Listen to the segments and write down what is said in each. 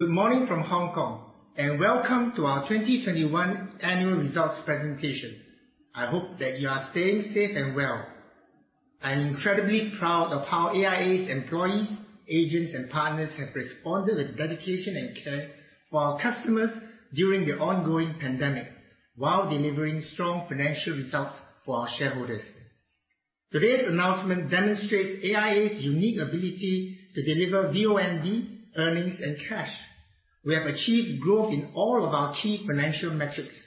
Good morning from Hong Kong, and welcome to our 2021 annual results presentation. I hope that you are staying safe and well. I'm incredibly proud of how AIA's employees, agents and partners have responded with dedication and care for our customers during the ongoing pandemic while delivering strong financial results for our shareholders. Today's announcement demonstrates AIA's unique ability to deliver VONB, earnings and cash. We have achieved growth in all of our key financial metrics.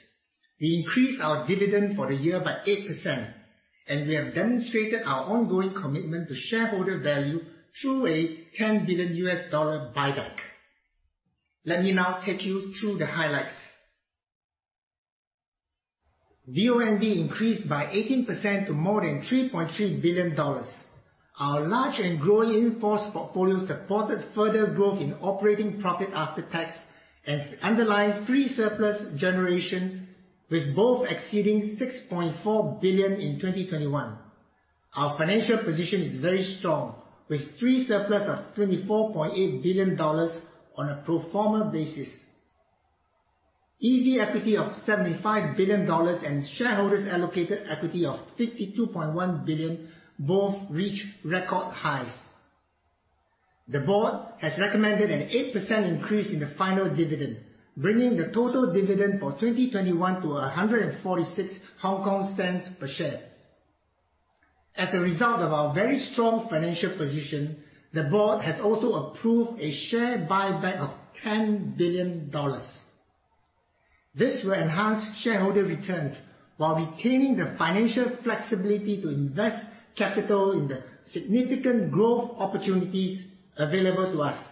We increased our dividend for the year by 8%, and we have demonstrated our ongoing commitment to shareholder value through a $10 billion buyback. Let me now take you through the highlights. VONB increased by 18% to more than $3.3 billion. Our large and growing in-force portfolio supported further growth in operating profit after tax and underlying free surplus generation, with both exceeding $6.4 billion in 2021. Our financial position is very strong, with free surplus of $24.8 billion on a pro forma basis. EV equity of $75 billion and shareholders allocated equity of $52.1 billion both reach record highs. The board has recommended an 8% increase in the final dividend, bringing the total dividend for 2021 to 1.46 per share. As a result of our very strong financial position, the board has also approved a share buyback of $10 billion. This will enhance shareholder returns while retaining the financial flexibility to invest capital in the significant growth opportunities available to us.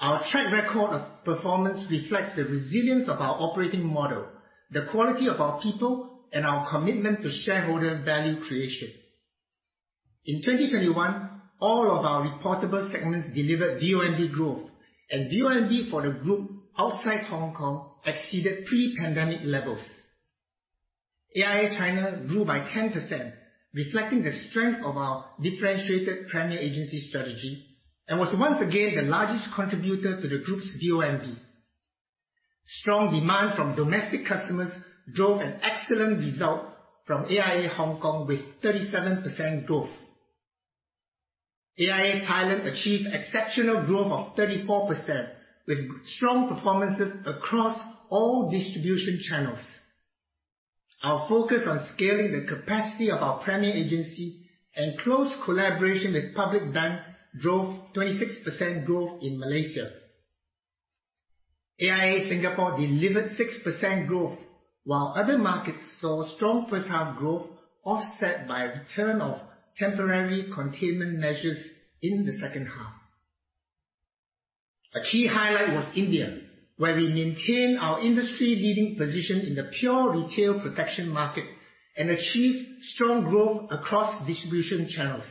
Our track record of performance reflects the resilience of our operating model, the quality of our people, and our commitment to shareholder value creation. In 2021, all of our reportable segments delivered VONB growth and VONB for the group outside Hong Kong exceeded pre-pandemic levels. AIA China grew by 10%, reflecting the strength of our differentiated premier agency strategy and was once again the largest contributor to the group's VONB. Strong demand from domestic customers drove an excellent result from AIA Hong Kong with 37% growth. AIA Thailand achieved exceptional growth of 34% with strong performances across all distribution channels. Our focus on scaling the capacity of our premier agency and close collaboration with Public Bank drove 26% growth in Malaysia. AIA Singapore delivered 6% growth, while other markets saw strong first half growth offset by a return of temporary containment measures in the second half. A key highlight was India, where we maintained our industry leading position in the pure retail protection market and achieved strong growth across distribution channels.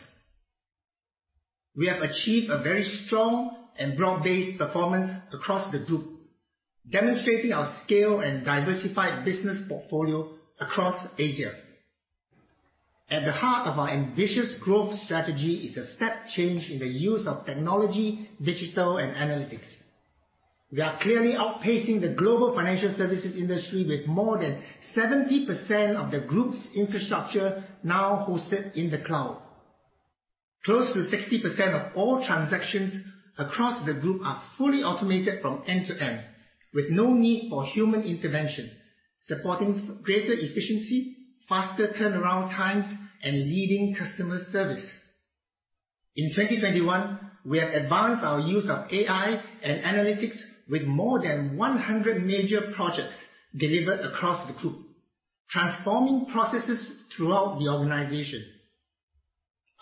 We have achieved a very strong and broad-based performance across the group, demonstrating our scale and diversified business portfolio across Asia. At the heart of our ambitious growth strategy is a step change in the use of technology, digital and analytics. We are clearly outpacing the global financial services industry, with more than 70% of the group's infrastructure now hosted in the cloud. Close to 60% of all transactions across the group are fully automated from end to end with no need for human intervention, supporting greater efficiency, faster turnaround times and leading customer service. In 2021, we have advanced our use of AI and analytics with more than 100 major projects delivered across the group, transforming processes throughout the organization.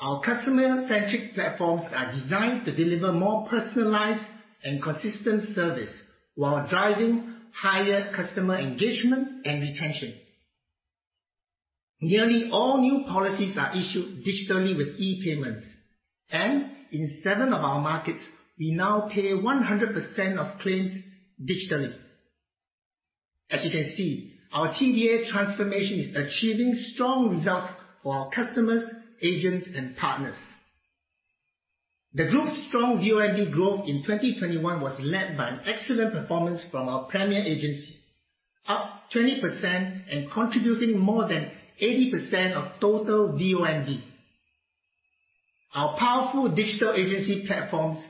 Our customer-centric platforms are designed to deliver more personalized and consistent service while driving higher customer engagement and retention. Nearly all new policies are issued digitally with e-payments. In seven of our markets, we now pay 100% of claims digitally. As you can see, our TDA transformation is achieving strong results for our customers, agents and partners. The group's strong VONB growth in 2021 was led by an excellent performance from our premier agency, up 20% and contributing more than 80% of total VONB. Our powerful digital agency platforms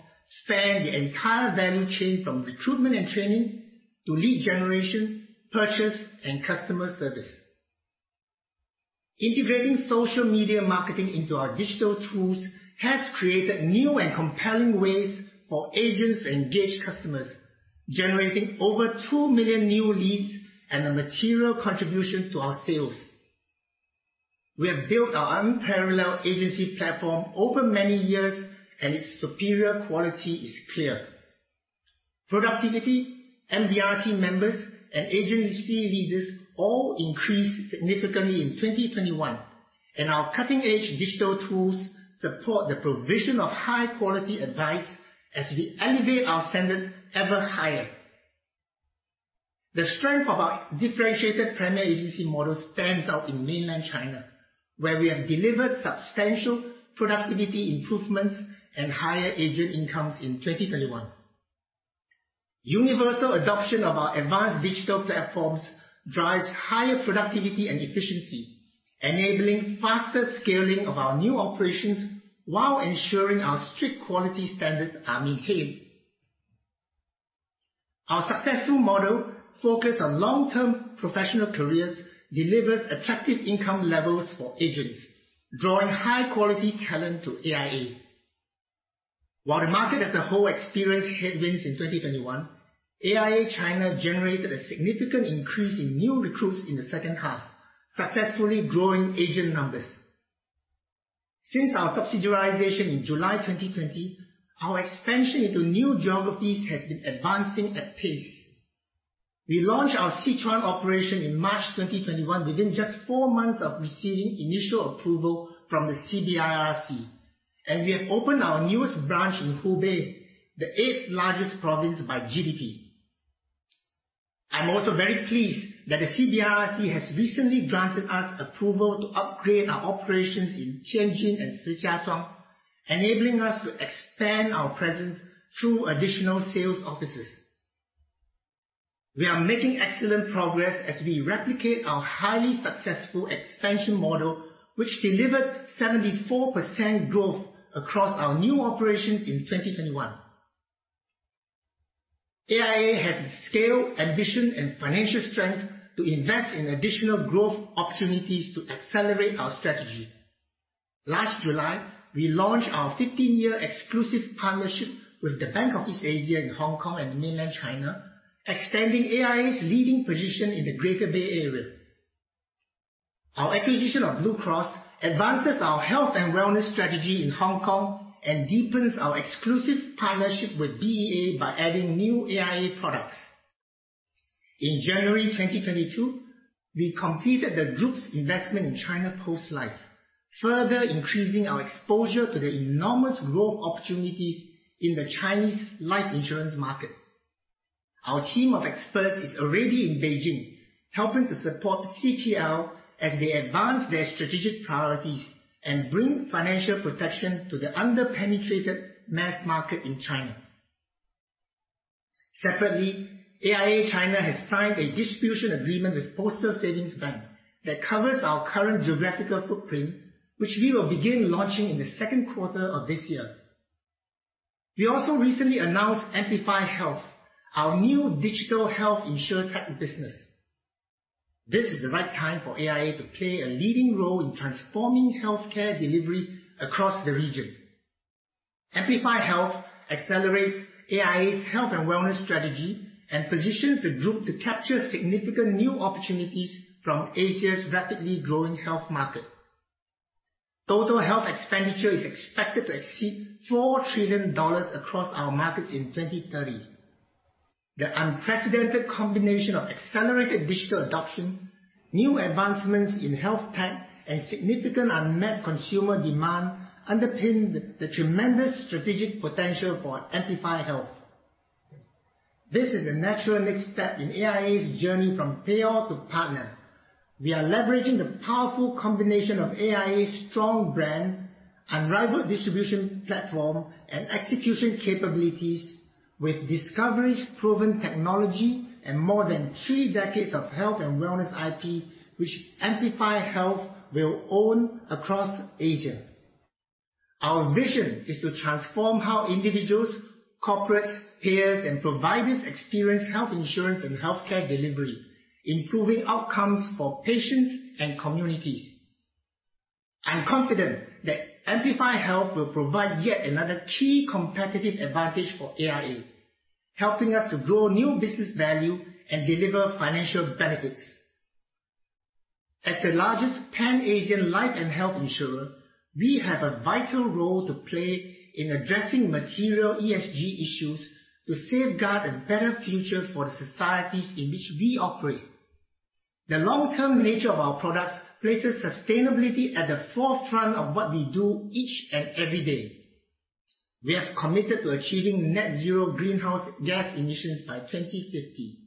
span the entire value chain from recruitment and training to lead generation, purchase and customer service. Integrating social media marketing into our digital tools has created new and compelling ways for agents to engage customers, generating over 2 million new leads and a material contribution to our sales. We have built our unparalleled agency platform over many years and its superior quality is clear. Productivity, MDRT members and agency leaders all increased significantly in 2021, and our cutting edge digital tools support the provision of high quality advice as we elevate our standards ever higher. The strength of our differentiated primary agency model stands out in mainland China, where we have delivered substantial productivity improvements and higher agent incomes in 2021. Universal adoption of our advanced digital platforms drives higher productivity and efficiency, enabling faster scaling of our new operations while ensuring our strict quality standards are maintained. Our successful model focused on long-term professional careers delivers attractive income levels for agents, drawing high quality talent to AIA. While the market as a whole experienced headwinds in 2021, AIA China generated a significant increase in new recruits in the second half, successfully growing agent numbers. Since our subsidiarization in July 2020, our expansion into new geographies has been advancing at pace. We launched our Sichuan operation in March 2021 within just 4 months of receiving initial approval from the CBIRC. We have opened our newest branch in Hubei, the 8th largest province by GDP. I'm also very pleased that the CBIRC has recently granted us approval to upgrade our operations in Tianjin and Shijiazhuang, enabling us to expand our presence through additional sales offices. We are making excellent progress as we replicate our highly successful expansion model, which delivered 74% growth across our new operations in 2021. AIA has scale, ambition, and financial strength to invest in additional growth opportunities to accelerate our strategy. Last July, we launched our 15-year exclusive partnership with the Bank of East Asia in Hong Kong and mainland China, expanding AIA's leading position in the Greater Bay Area. Our acquisition of Blue Cross advances our health and wellness strategy in Hong Kong and deepens our exclusive partnership with BEA by adding new AIA products. In January 2022, we completed the group's investment in China Post Life, further increasing our exposure to the enormous growth opportunities in the Chinese life insurance market. Our team of experts is already in Beijing, helping to support CPL as they advance their strategic priorities and bring financial protection to the under-penetrated mass market in China. Separately, AIA China has signed a distribution agreement with Postal Savings Bank that covers our current geographical footprint, which we will begin launching in the second quarter of this year. We also recently announced Amplify Health, our new digital health insurtech business. This is the right time for AIA to play a leading role in transforming healthcare delivery across the region. Amplify Health accelerates AIA's health and wellness strategy and positions the group to capture significant new opportunities from Asia's rapidly growing health market. Total health expenditure is expected to exceed $4 trillion across our markets in 2030. The unprecedented combination of accelerated digital adoption, new advancements in health tech, and significant unmet consumer demand underpin the tremendous strategic potential for Amplify Health. This is a natural next step in AIA's journey from payer to partner. We are leveraging the powerful combination of AIA's strong brand, unrivaled distribution platform, and execution capabilities with Discovery's proven technology and more than three decades of health and wellness IP, which Amplify Health will own across Asia. Our vision is to transform how individuals, corporates, payers, and providers experience health insurance and healthcare delivery, improving outcomes for patients and communities. I'm confident that Amplify Health will provide yet another key competitive advantage for AIA, helping us to grow new business value and deliver financial benefits. As the largest Pan-Asian life and health insurer, we have a vital role to play in addressing material ESG issues to safeguard a better future for the societies in which we operate. The long-term nature of our products places sustainability at the forefront of what we do each and every day. We have committed to achieving net zero greenhouse gas emissions by 2050.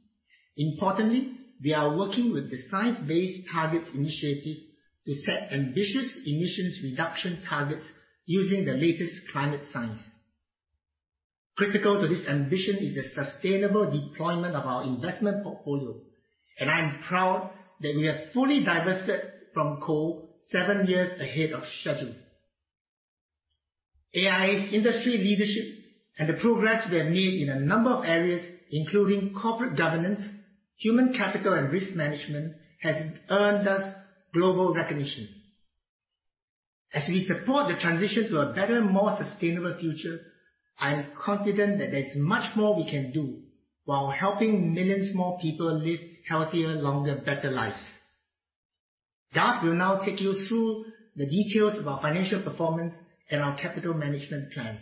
Importantly, we are working with the Science Based Targets initiative to set ambitious emissions reduction targets using the latest climate science. Critical to this ambition is the sustainable deployment of our investment portfolio, and I am proud that we have fully divested from coal seven years ahead of schedule. AIA's industry leadership and the progress we have made in a number of areas, including corporate governance, human capital, and risk management, has earned us global recognition. As we support the transition to a better, more sustainable future, I am confident that there is much more we can do while helping millions more people live healthier, longer, better lives. Doug will now take you through the details of our financial performance and our capital management plans.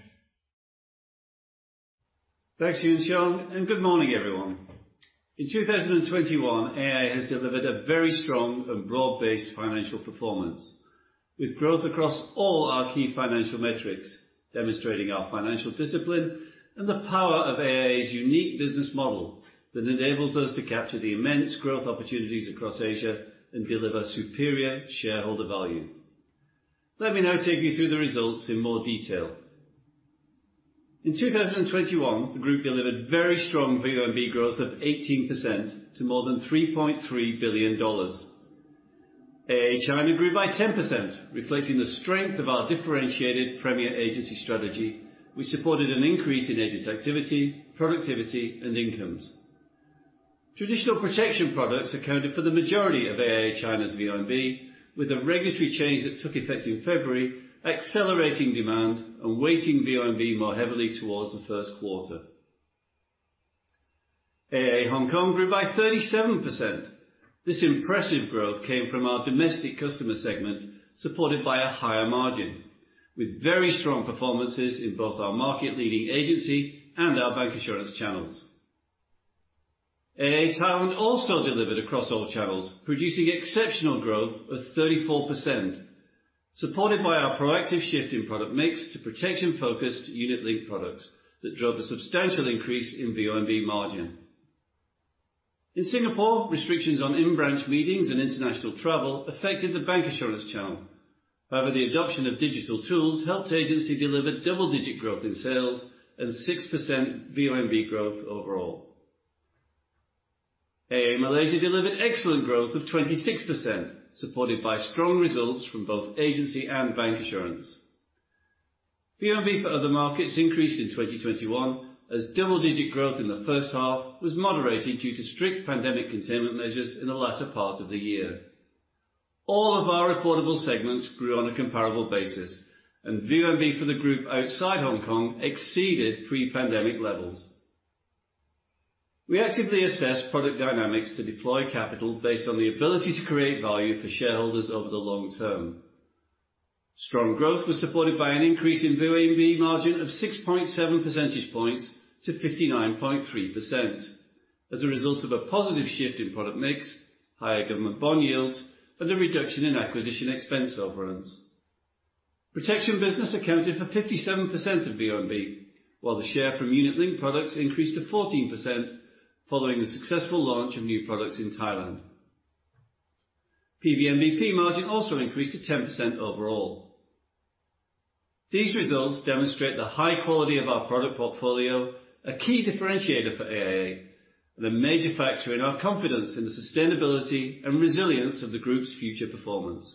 Thanks, Lee Yuan Siong, and good morning, everyone. In 2021, AIA has delivered a very strong and broad-based financial performance with growth across all our key financial metrics, demonstrating our financial discipline and the power of AIA's unique business model that enables us to capture the immense growth opportunities across Asia and deliver superior shareholder value. Let me now take you through the results in more detail. In 2021, the Group delivered very strong VONB growth of 18% to more than $3.3 billion. AIA China grew by 10%, reflecting the strength of our differentiated premier agency strategy, which supported an increase in agent activity, productivity, and incomes. Traditional protection products accounted for the majority of AIA China's VONB, with a regulatory change that took effect in February, accelerating demand and weighting VONB more heavily towards the first quarter. AIA Hong Kong grew by 37%. This impressive growth came from our domestic customer segment, supported by a higher margin, with very strong performances in both our market-leading agency and our bank insurance channels. AIA Thailand also delivered across all channels, producing exceptional growth of 34%, supported by our proactive shift in product mix to protection-focused unit-linked products that drove a substantial increase in VONB margin. In Singapore, restrictions on in-branch meetings and international travel affected the bank insurance channel. However, the adoption of digital tools helped agency deliver double-digit growth in sales and 6% VONB growth overall. AIA Malaysia delivered excellent growth of 26%, supported by strong results from both agency and bank insurance. VONB for other markets increased in 2021 as double-digit growth in the first half was moderated due to strict pandemic containment measures in the latter part of the year. All of our reportable segments grew on a comparable basis, and VONB for the Group outside Hong Kong exceeded pre-pandemic levels. We actively assess product dynamics to deploy capital based on the ability to create value for shareholders over the long term. Strong growth was supported by an increase in VONB margin of 6.7 percentage points to 59.3% as a result of a positive shift in product mix, higher government bond yields, and a reduction in acquisition expense overruns. Protection business accounted for 57% of VONB, while the share from unit-linked products increased to 14% following the successful launch of new products in Thailand. PVNBP margin also increased to 10% overall. These results demonstrate the high quality of our product portfolio, a key differentiator for AIA, and a major factor in our confidence in the sustainability and resilience of the Group's future performance.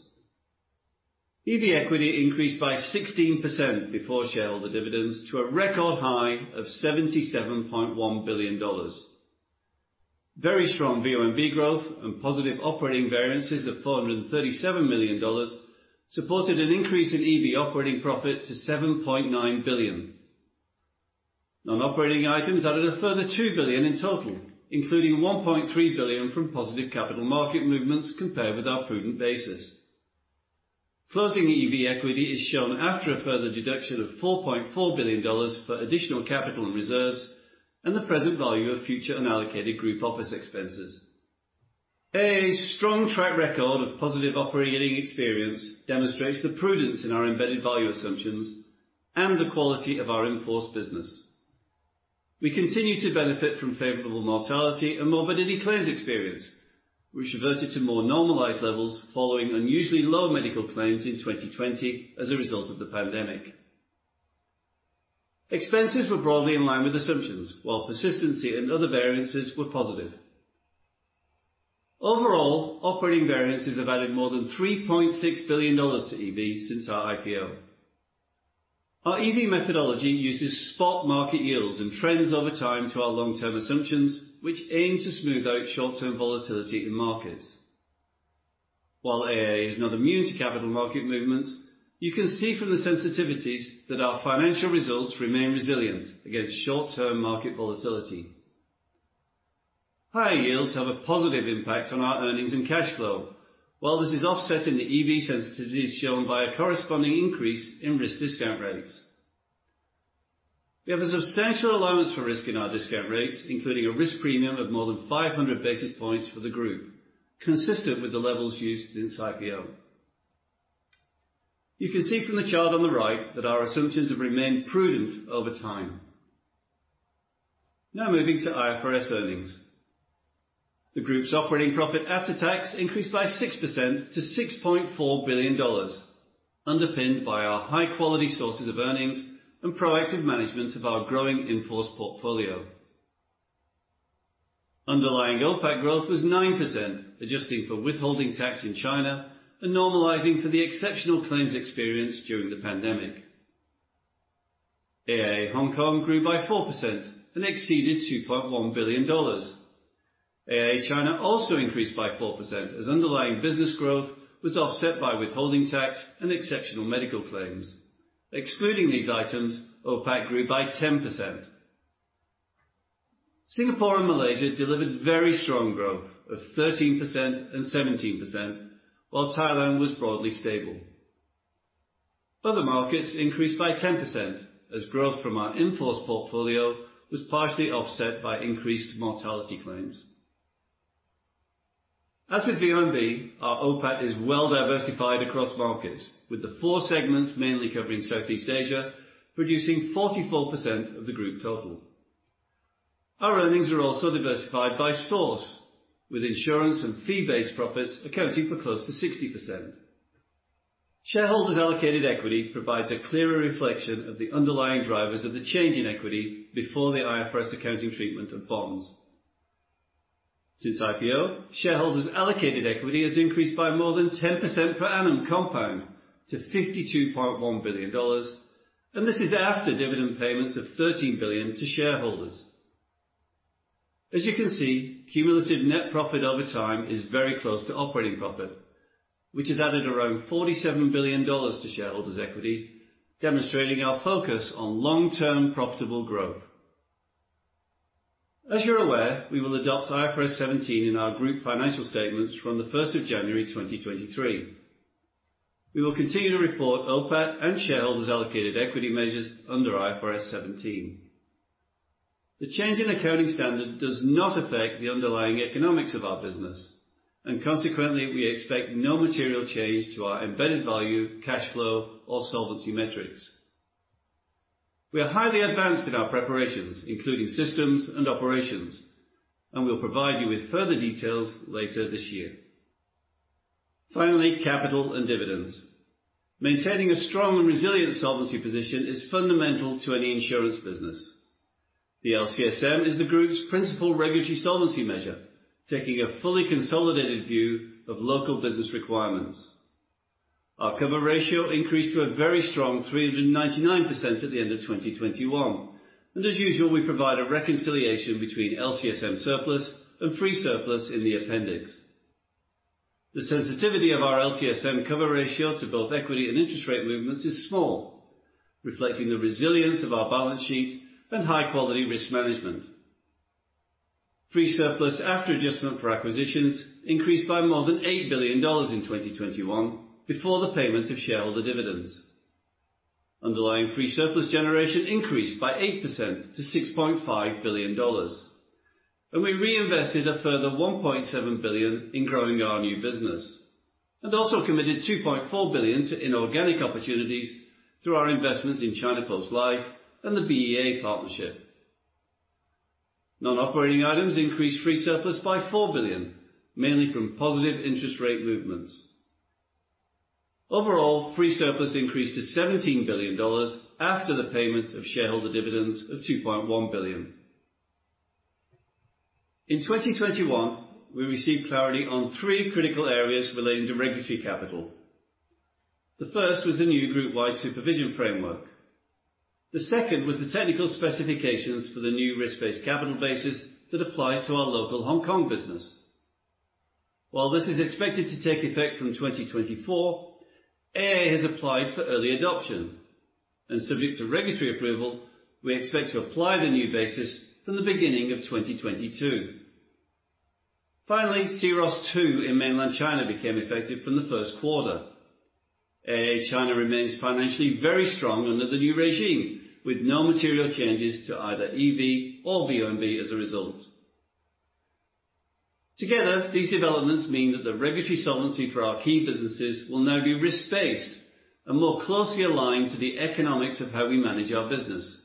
EV equity increased by 16% before shareholder dividends to a record high of $77.1 billion. Very strong VONB growth and positive operating variances of $437 million supported an increase in EV operating profit to $7.9 billion. Non-operating items added a further $2 billion in total, including $1.3 billion from positive capital market movements compared with our prudent basis. Closing EV equity is shown after a further deduction of $4.4 billion for additional capital and reserves and the present value of future unallocated group office expenses. AIA's strong track record of positive operating experience demonstrates the prudence in our embedded value assumptions and the quality of our in-force business. We continue to benefit from favorable mortality and morbidity claims experience, which reverted to more normalized levels following unusually low medical claims in 2020 as a result of the pandemic. Expenses were broadly in line with assumptions, while persistency and other variances were positive. Overall, operating variances have added more than $3.6 billion to EV since our IPO. Our EV methodology uses spot market yields and trends over time to our long-term assumptions, which aim to smooth out short-term volatility in markets. While AIA is not immune to capital market movements, you can see from the sensitivities that our financial results remain resilient against short-term market volatility. Higher yields have a positive impact on our earnings and cash flow, while this is offset in the EV sensitivities shown by a corresponding increase in risk discount rates. We have a substantial allowance for risk in our discount rates, including a risk premium of more than 500 basis points for the Group, consistent with the levels used since IPO. You can see from the chart on the right that our assumptions have remained prudent over time. Now moving to IFRS earnings. The Group's operating profit after tax increased by 6% to $6.4 billion, underpinned by our high-quality sources of earnings and proactive management of our growing in-force portfolio. Underlying OPAT growth was 9%, adjusting for withholding tax in China and normalizing for the exceptional claims experience during the pandemic. AIA Hong Kong grew by 4% and exceeded $2.1 billion. AIA China also increased by 4% as underlying business growth was offset by withholding tax and exceptional medical claims. Excluding these items, OPAT grew by 10%. Singapore and Malaysia delivered very strong growth of 13% and 17%, while Thailand was broadly stable. Other markets increased by 10% as growth from our in-force portfolio was partially offset by increased mortality claims. As with VONB, our OPAT is well diversified across markets, with the four segments mainly covering Southeast Asia producing 44% of the group total. Our earnings are also diversified by source, with insurance and fee-based profits accounting for close to 60%. Shareholders allocated equity provides a clearer reflection of the underlying drivers of the change in equity before the IFRS accounting treatment of bonds. Since IPO, shareholders allocated equity has increased by more than 10% per annum compound to $52.1 billion, and this is after dividend payments of $13 billion to shareholders. As you can see, cumulative net profit over time is very close to operating profit, which has added around $47 billion to shareholders' equity, demonstrating our focus on long-term profitable growth. As you're aware, we will adopt IFRS 17 in our group financial statements from the first of January 2023. We will continue to report OPAT and shareholders allocated equity measures under IFRS 17. The change in accounting standard does not affect the underlying economics of our business, and consequently, we expect no material change to our embedded value, cash flow, or solvency metrics. We are highly advanced in our preparations, including systems and operations, and we'll provide you with further details later this year. Finally, capital and dividends. Maintaining a strong and resilient solvency position is fundamental to any insurance business. The LCSM is the group's principal regulatory solvency measure, taking a fully consolidated view of local business requirements. Our cover ratio increased to a very strong 399% at the end of 2021, and as usual, we provide a reconciliation between LCSM surplus and free surplus in the appendix. The sensitivity of our LCSM cover ratio to both equity and interest rate movements is small, reflecting the resilience of our balance sheet and high-quality risk management. Free surplus after adjustment for acquisitions increased by more than $8 billion in 2021 before the payment of shareholder dividends. Underlying free surplus generation increased by 8% to $6.5 billion, and we reinvested a further $1.7 billion in growing our new business, and also committed $2.4 billion to inorganic opportunities through our investments in China Post Life and the BEA partnership. Non-operating items increased free surplus by $4 billion, mainly from positive interest rate movements. Overall, free surplus increased to $17 billion after the payment of shareholder dividends of $2.1 billion. In 2021, we received clarity on three critical areas relating to regulatory capital. The first was the new group-wide supervision framework. The second was the technical specifications for the new risk-based capital basis that applies to our local Hong Kong business. While this is expected to take effect from 2024, AIA has applied for early adoption, and subject to regulatory approval, we expect to apply the new basis from the beginning of 2022. Finally, C-ROSS II in mainland China became effective from the first quarter. AIA China remains financially very strong under the new regime, with no material changes to either EV or VONB as a result. Together, these developments mean that the regulatory solvency for our key businesses will now be risk-based and more closely aligned to the economics of how we manage our business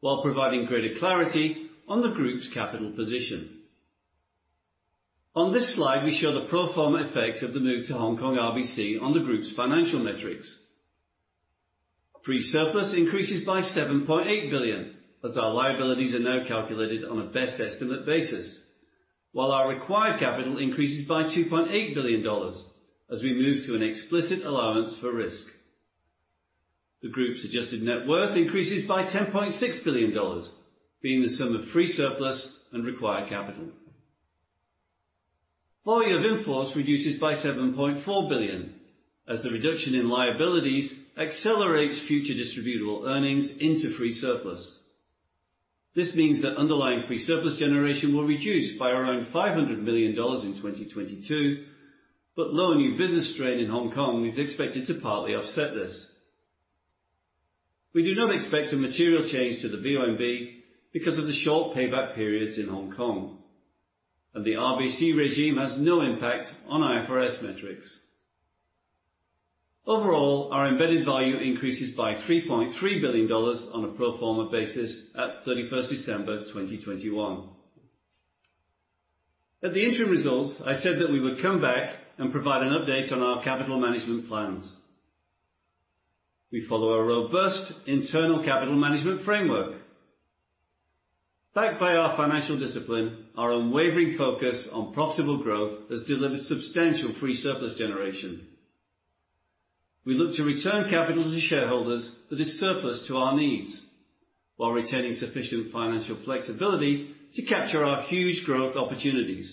while providing greater clarity on the group's capital position. On this slide, we show the pro forma effect of the move to Hong Kong RBC on the group's financial metrics. Free surplus increases by $7.8 billion as our liabilities are now calculated on a best estimate basis, while our required capital increases by $2.8 billion as we move to an explicit allowance for risk. The group's adjusted net worth increases by $10.6 billion, being the sum of free surplus and required capital. Four-year VIF reduces by $7.4 billion as the reduction in liabilities accelerates future distributable earnings into free surplus. This means that underlying free surplus generation will reduce by around $500 million in 2022, but lower new business strain in Hong Kong is expected to partly offset this. We do not expect a material change to the VONB because of the short payback periods in Hong Kong, and the RBC regime has no impact on IFRS metrics. Overall, our embedded value increases by $3.3 billion on a pro forma basis at December 31, 2021. At the interim results, I said that we would come back and provide an update on our capital management plans. We follow a robust internal capital management framework. Backed by our financial discipline, our unwavering focus on profitable growth has delivered substantial free surplus generation. We look to return capital to shareholders that is surplus to our needs while retaining sufficient financial flexibility to capture our huge growth opportunities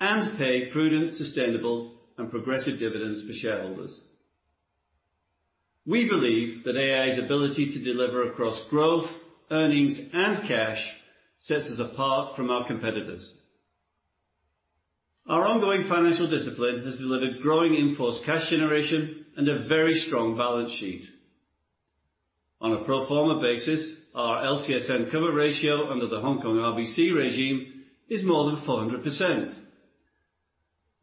and pay prudent, sustainable, and progressive dividends for shareholders. We believe that AIA's ability to deliver across growth, earnings, and cash sets us apart from our competitors. Our ongoing financial discipline has delivered growing enhanced cash generation and a very strong balance sheet. On a pro forma basis, our LCSM cover ratio under the Hong Kong RBC regime is more than 400%.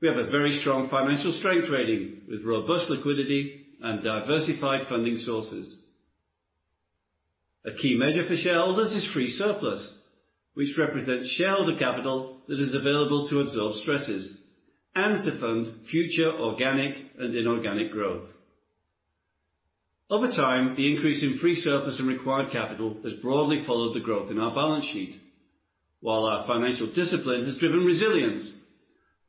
We have a very strong financial strength rating with robust liquidity and diversified funding sources. A key measure for shareholders is free surplus, which represents shareholder capital that is available to absorb stresses and to fund future organic and inorganic growth. Over time, the increase in free surplus and required capital has broadly followed the growth in our balance sheet, while our financial discipline has driven resilience,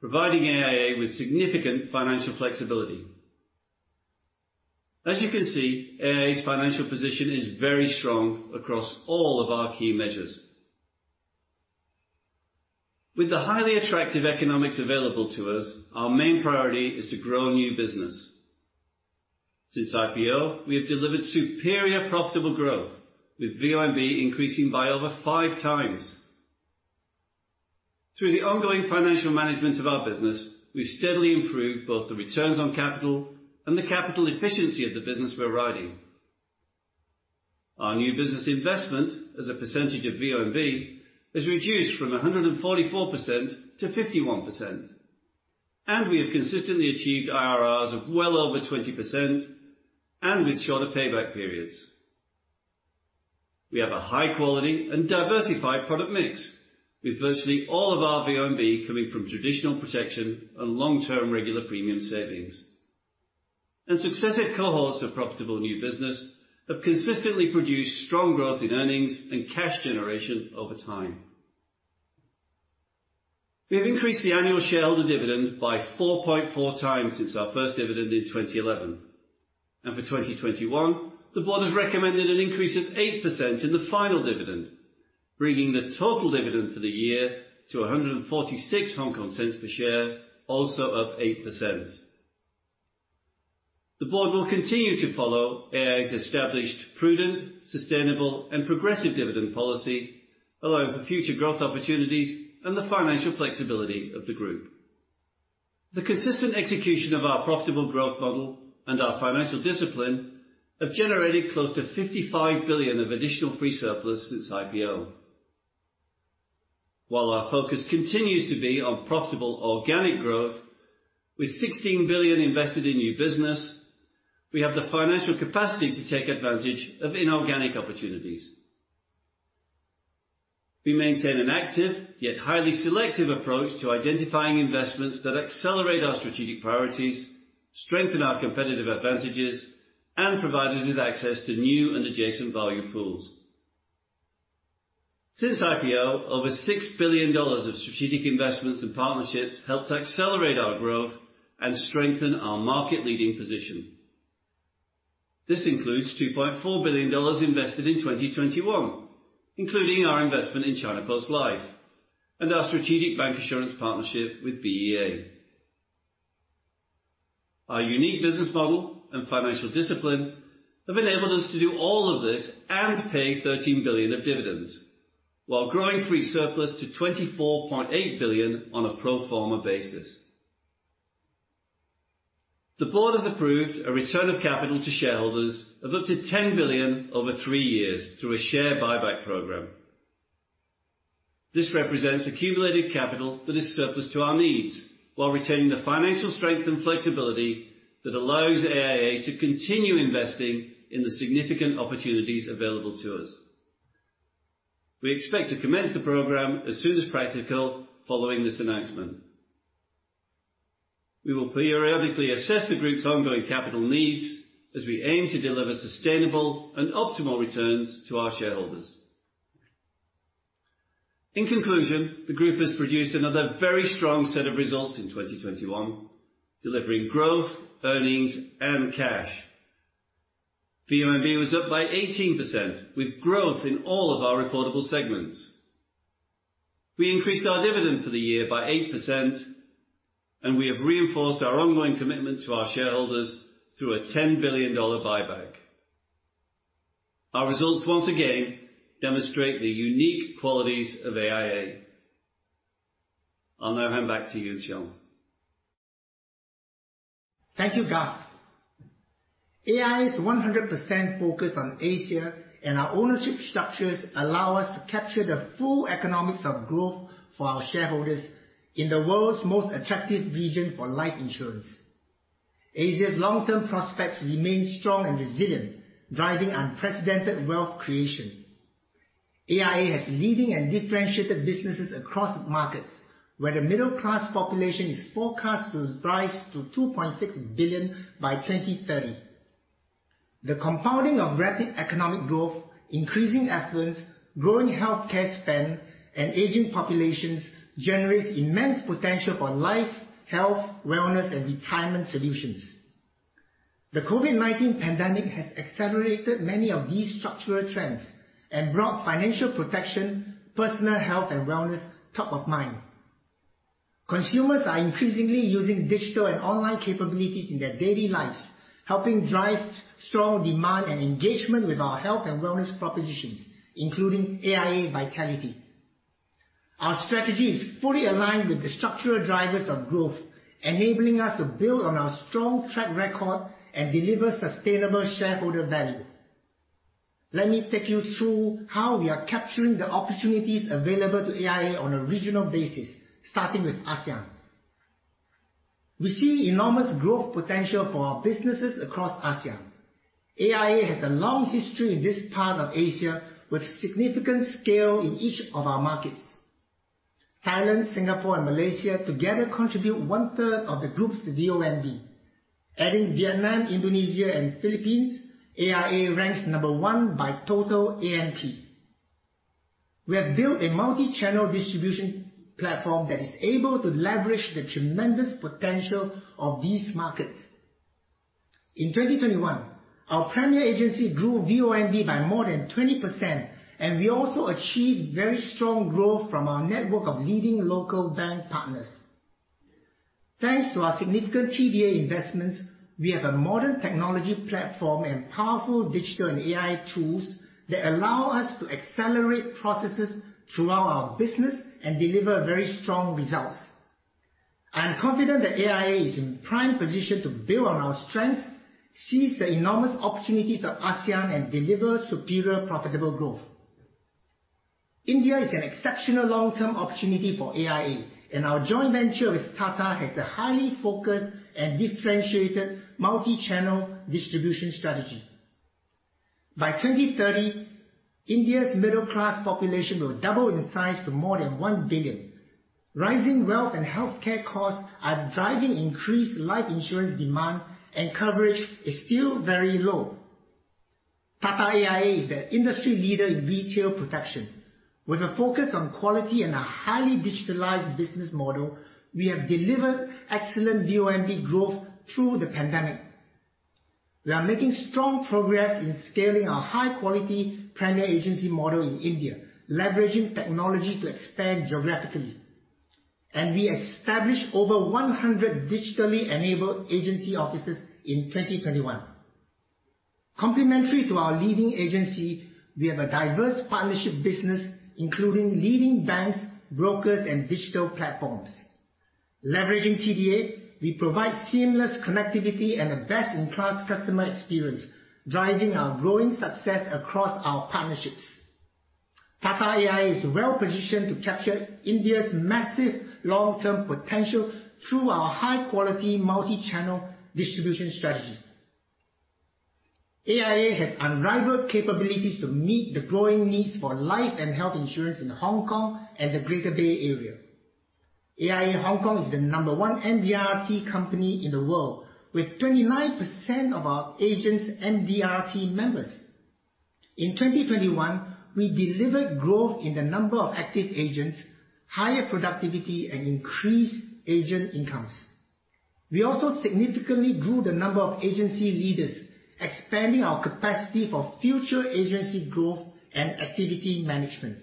providing AIA with significant financial flexibility. As you can see, AIA's financial position is very strong across all of our key measures. With the highly attractive economics available to us, our main priority is to grow new business. Since IPO, we have delivered superior profitable growth with VONB increasing by over 5 times. Through the ongoing financial management of our business, we've steadily improved both the returns on capital and the capital efficiency of the business we're writing. Our new business investment as a percentage of VONB has reduced from 144% to 51%, and we have consistently achieved IRRs of well over 20% and with shorter payback periods. We have a high quality and diversified product mix with virtually all of our VONB coming from traditional protection and long-term regular premium savings. Successive cohorts of profitable new business have consistently produced strong growth in earnings and cash generation over time. We have increased the annual shareholder dividend by 4.4 times since our first dividend in 2011. For 2021, the board has recommended an increase of 8% in the final dividend, bringing the total dividend for the year to 1.46 per share, also up 8%. The board will continue to follow AIA's established, prudent, sustainable and progressive dividend policy, allowing for future growth opportunities and the financial flexibility of the group. The consistent execution of our profitable growth model and our financial discipline have generated close to $55 billion of additional free surplus since IPO. While our focus continues to be on profitable organic growth, with $16 billion invested in new business, we have the financial capacity to take advantage of inorganic opportunities. We maintain an active, yet highly selective approach to identifying investments that accelerate our strategic priorities, strengthen our competitive advantages, and provide us with access to new and adjacent value pools. Since IPO, over $6 billion of strategic investments and partnerships helped accelerate our growth and strengthen our market leading position. This includes $2.4 billion invested in 2021, including our investment in China Post Life and our strategic bank insurance partnership with BEA. Our unique business model and financial discipline have enabled us to do all of this and pay $13 billion of dividends while growing free surplus to $24.8 billion on a pro forma basis. The board has approved a return of capital to shareholders of up to $10 billion over 3 years through a share buyback program. This represents accumulated capital that is surplus to our needs while retaining the financial strength and flexibility that allows AIA to continue investing in the significant opportunities available to us. We expect to commence the program as soon as practical following this announcement. We will periodically assess the group's ongoing capital needs as we aim to deliver sustainable and optimal returns to our shareholders. In conclusion, the group has produced another very strong set of results in 2021, delivering growth, earnings, and cash. VONB was up by 18% with growth in all of our reportable segments. We increased our dividend for the year by 8%, and we have reinforced our ongoing commitment to our shareholders through a $10 billion buyback. Our results once again demonstrate the unique qualities of AIA. I'll now hand back to you, Sean. Thank you, Garth. AIA is 100% focused on Asia, and our ownership structures allow us to capture the full economics of growth for our shareholders in the world's most attractive region for life insurance. Asia's long-term prospects remain strong and resilient, driving unprecedented wealth creation. AIA has leading and differentiated businesses across markets where the middle class population is forecast to rise to 2.6 billion by 2030. The compounding of rapid economic growth, increasing affluence, growing healthcare spend, and aging populations generates immense potential for life, health, wellness, and retirement solutions. The COVID-19 pandemic has accelerated many of these structural trends and brought financial protection, personal health, and wellness top of mind. Consumers are increasingly using digital and online capabilities in their daily lives. Helping drive strong demand and engagement with our health and wellness propositions, including AIA Vitality. Our strategy is fully aligned with the structural drivers of growth, enabling us to build on our strong track record and deliver sustainable shareholder value. Let me take you through how we are capturing the opportunities available to AIA on a regional basis, starting with ASEAN. We see enormous growth potential for our businesses across ASEAN. AIA has a long history in this part of Asia, with significant scale in each of our markets. Thailand, Singapore, and Malaysia together contribute 1/3 of the group's VONB. Adding Vietnam, Indonesia, and Philippines, AIA ranks number one by total ANP. We have built a multi-channel distribution platform that is able to leverage the tremendous potential of these markets. In 2021, our premier agency grew VONB by more than 20%, and we also achieved very strong growth from our network of leading local bank partners. Thanks to our significant TDA investments, we have a modern technology platform and powerful digital and AI tools that allow us to accelerate processes throughout our business and deliver very strong results. I am confident that AIA is in prime position to build on our strengths, seize the enormous opportunities of ASEAN, and deliver superior profitable growth. India is an exceptional long-term opportunity for AIA, and our joint venture with Tata has a highly focused and differentiated multi-channel distribution strategy. By 2030, India's middle class population will double in size to more than 1 billion. Rising wealth and healthcare costs are driving increased life insurance demand and coverage is still very low. Tata AIA is the industry leader in retail protection. With a focus on quality and a highly digitalized business model, we have delivered excellent VONB growth through the pandemic. We are making strong progress in scaling our high-quality premier agency model in India, leveraging technology to expand geographically. We established over 100 digitally enabled agency offices in 2021. Complementary to our leading agency, we have a diverse partnership business, including leading banks, brokers, and digital platforms. Leveraging TDA, we provide seamless connectivity and a best-in-class customer experience, driving our growing success across our partnerships. Tata AIA is well positioned to capture India's massive long-term potential through our high-quality multi-channel distribution strategy. AIA has unrivaled capabilities to meet the growing needs for life and health insurance in Hong Kong and the Greater Bay Area. AIA Hong Kong is the number one MDRT company in the world, with 29% of our agents MDRT members. In 2021, we delivered growth in the number of active agents, higher productivity, and increased agent incomes. We also significantly grew the number of agency leaders, expanding our capacity for future agency growth and activity management.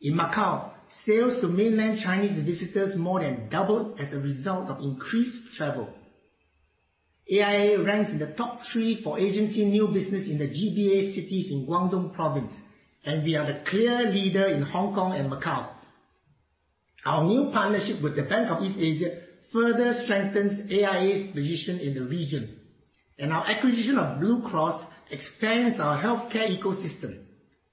In Macau, sales to mainland Chinese visitors more than doubled as a result of increased travel. AIA ranks in the top three for agency new business in the GBA cities in Guangdong province, and we are the clear leader in Hong Kong and Macau. Our new partnership with the Bank of East Asia further strengthens AIA's position in the region. Our acquisition of Blue Cross expands our healthcare ecosystem,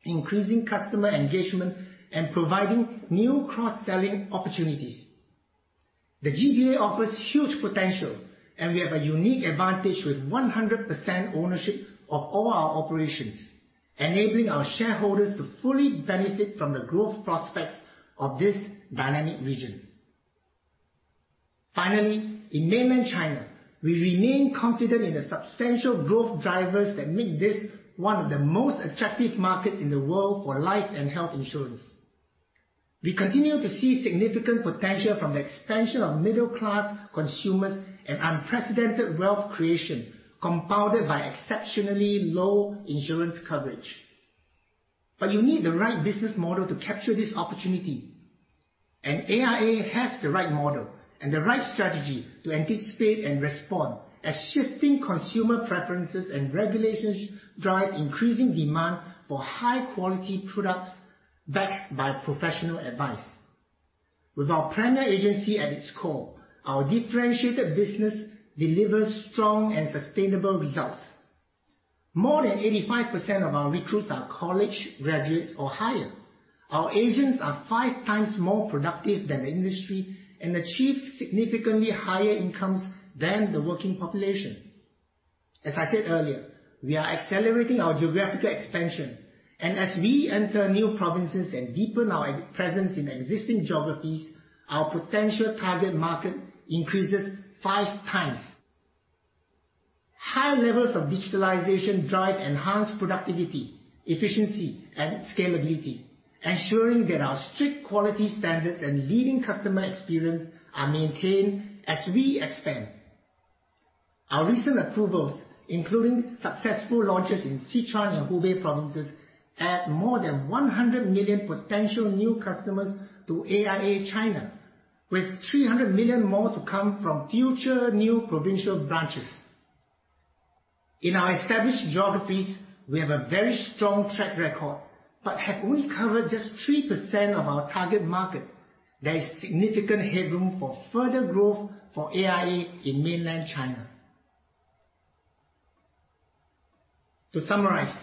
increasing customer engagement, and providing new cross-selling opportunities. The GBA offers huge potential, and we have a unique advantage with 100% ownership of all our operations, enabling our shareholders to fully benefit from the growth prospects of this dynamic region. Finally, in mainland China, we remain confident in the substantial growth drivers that make this one of the most attractive markets in the world for life and health insurance. We continue to see significant potential from the expansion of middle-class consumers and unprecedented wealth creation, compounded by exceptionally low insurance coverage. You need the right business model to capture this opportunity. AIA has the right model and the right strategy to anticipate and respond as shifting consumer preferences and regulations drive increasing demand for high-quality products backed by professional advice. With our premier agency at its core, our differentiated business delivers strong and sustainable results. More than 85% of our recruits are college graduates or higher. Our agents are five times more productive than the industry and achieve significantly higher incomes than the working population. As I said earlier, we are accelerating our geographical expansion. As we enter new provinces and deepen our presence in existing geographies, our potential target market increases five times. High levels of digitalization drive enhanced productivity, efficiency, and scalability, ensuring that our strict quality standards and leading customer experience are maintained as we expand. Our recent approvals, including successful launches in Sichuan and Hubei provinces, add more than 100 million potential new customers to AIA China. With 300 million more to come from future new provincial branches. In our established geographies, we have a very strong track record, but have only covered just 3% of our target market. There is significant headroom for further growth for AIA in mainland China. To summarize,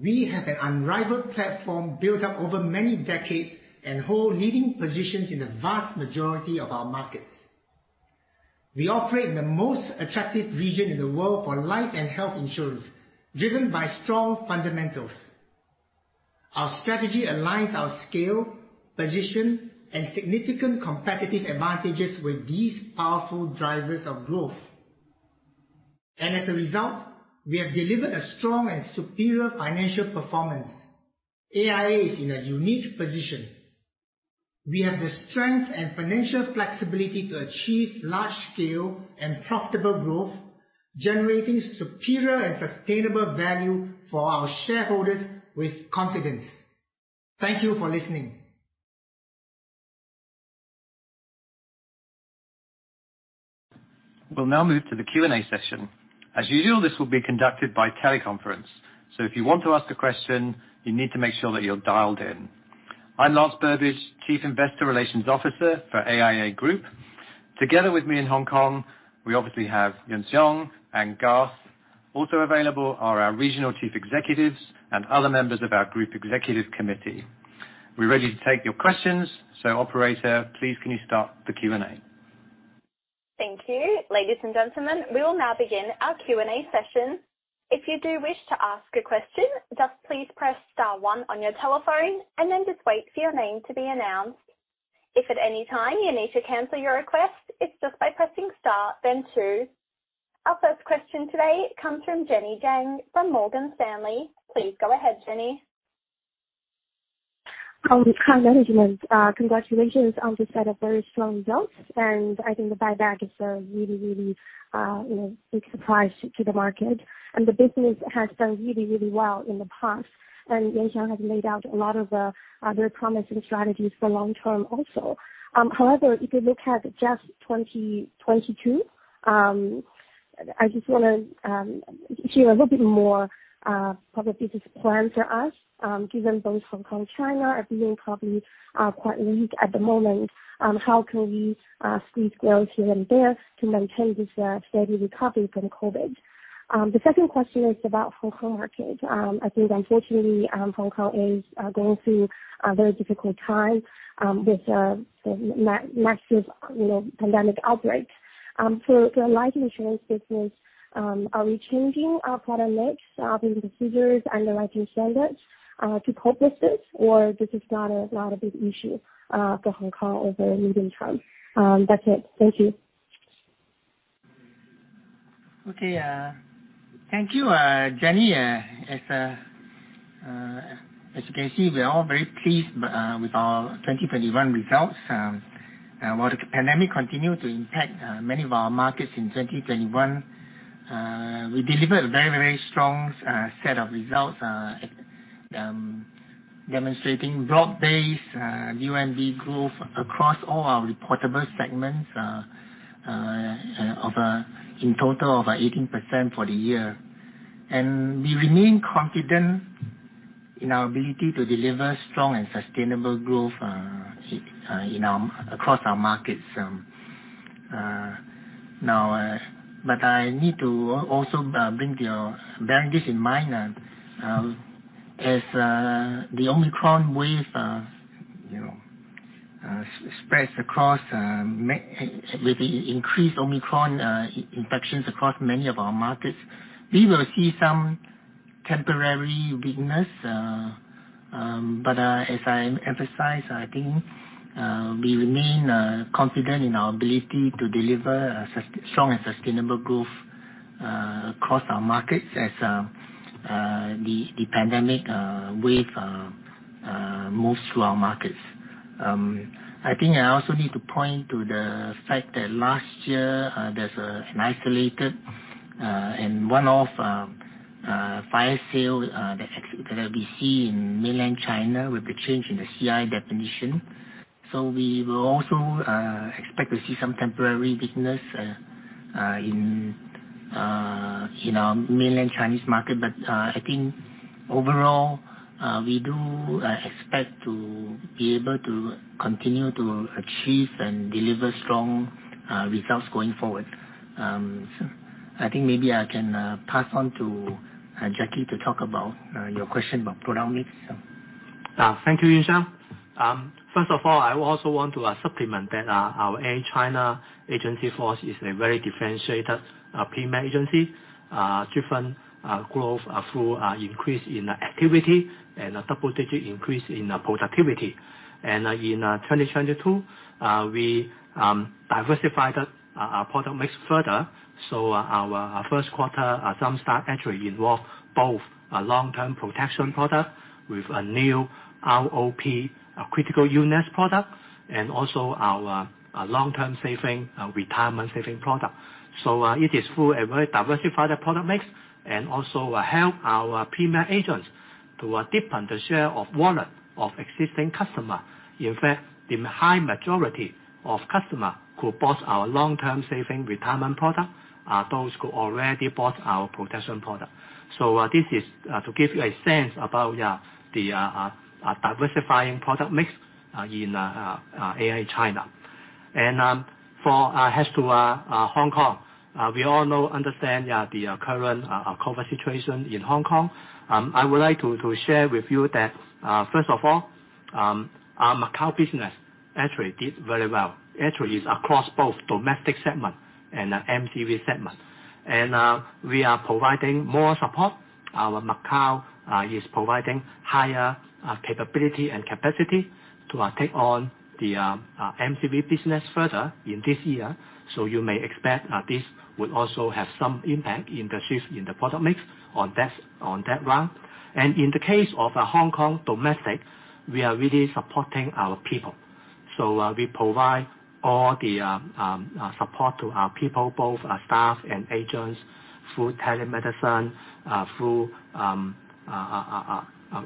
we have an unrivaled platform built up over many decades and hold leading positions in the vast majority of our markets. We operate in the most attractive region in the world for life and health insurance, driven by strong fundamentals. Our strategy aligns our scale, position, and significant competitive advantages with these powerful drivers of growth. As a result, we have delivered a strong and superior financial performance. AIA is in a unique position. We have the strength and financial flexibility to achieve large scale and profitable growth, generating superior and sustainable value for our shareholders with confidence. Thank you for listening. We'll now move to the Q&A session. As usual, this will be conducted by teleconference. If you want to ask a question, you need to make sure that you're dialed in. I'm Lance Burbidge, Chief Investor Relations Officer for AIA Group. Together with me in Hong Kong, we obviously have Lee Yuan Siong and Garth. Also available are our regional chief executives and other members of our group executive committee. We're ready to take your questions. Operator, please can you start the Q&A? Thank you. Ladies and gentlemen, we will now begin our Q&A session. If you do wish to ask a question, just please press *1 on your telephone, and then just wait for your name to be announced. If at any time you need to cancel your request, it's just by pressing * then 2. Our first question today comes from Jenny Jiang from Morgan Stanley. Please go ahead, Jenny. Hello to current management. Congratulations on the set of very strong results, and I think the buyback is a really, you know, big surprise to the market. The business has done really well in the past. Lee Yuan Siong has laid out a lot of other promising strategies for long term also. However, if you look at just 2022, I just wanna hear a little bit more about the business plan for us, given both Hong Kong, China are feeling probably quite weak at the moment, how can we squeeze growth here and there to maintain this steady recovery from COVID? The second question is about Hong Kong market. I think unfortunately, Hong Kong is going through a very difficult time with the massive, you know, pandemic outbreak. For life insurance business, are we changing our product mix in the procedures underwriting standards to cope with this, or this is not a big issue for Hong Kong over medium term? That's it. Thank you. Okay. Thank you, Jenny. As you can see, we are all very pleased with our 2021 results. While the pandemic continued to impact many of our markets in 2021, we delivered a very strong set of results, demonstrating broad-based USD growth across all our reportable segments, in total of 18% for the year. We remain confident in our ability to deliver strong and sustainable growth across our markets. Now, I need to also bear in mind, as the Omicron wave, you know, spreads across, with the increased Omicron infections across many of our markets, we will see some temporary weakness. As I emphasize, I think we remain confident in our ability to deliver strong and sustainable growth across our markets as the pandemic wave moves through our markets. I think I also need to point to the fact that last year there's an isolated and one-off fire sale that we see in mainland China with the change in the CI definition. We will also expect to see some temporary weakness in our mainland Chinese market. I think overall we do expect to be able to continue to achieve and deliver strong results going forward. I think maybe I can pass on to Jackie to talk about your question about product mix, yeah. Thank you, Lee Yuan Siong. First of all, I also want to supplement that our AIA China agency force is a very differentiated premier agency driven growth through increase in activity and a double-digit increase in productivity. In 2022, we diversified our product mix further. Our first quarter jumpstart actually involved both a long-term protection product with a new LTP, a critical illness product, and also our long-term saving retirement saving product. It is through a very diversified product mix and also help our premier agents to deepen the share of wallet of existing customers. In fact, the high majority of customers who bought our long-term saving retirement product are those who already bought our protection product. This is to give you a sense about the diversifying product mix in AIA China. As to Hong Kong, we all know and understand the current COVID situation in Hong Kong. I would like to share with you that first of all, our Macau business actually did very well across both domestic segment and MCV segment. We are providing more support. Our Macau is providing higher capability and capacity to take on the MCV business further in this year. You may expect this would also have some impact in the shift in the product mix on the domestic front. In the case of Hong Kong domestic, we are really supporting our people. We provide all the support to our people, both our staff and agents, through telemedicine, through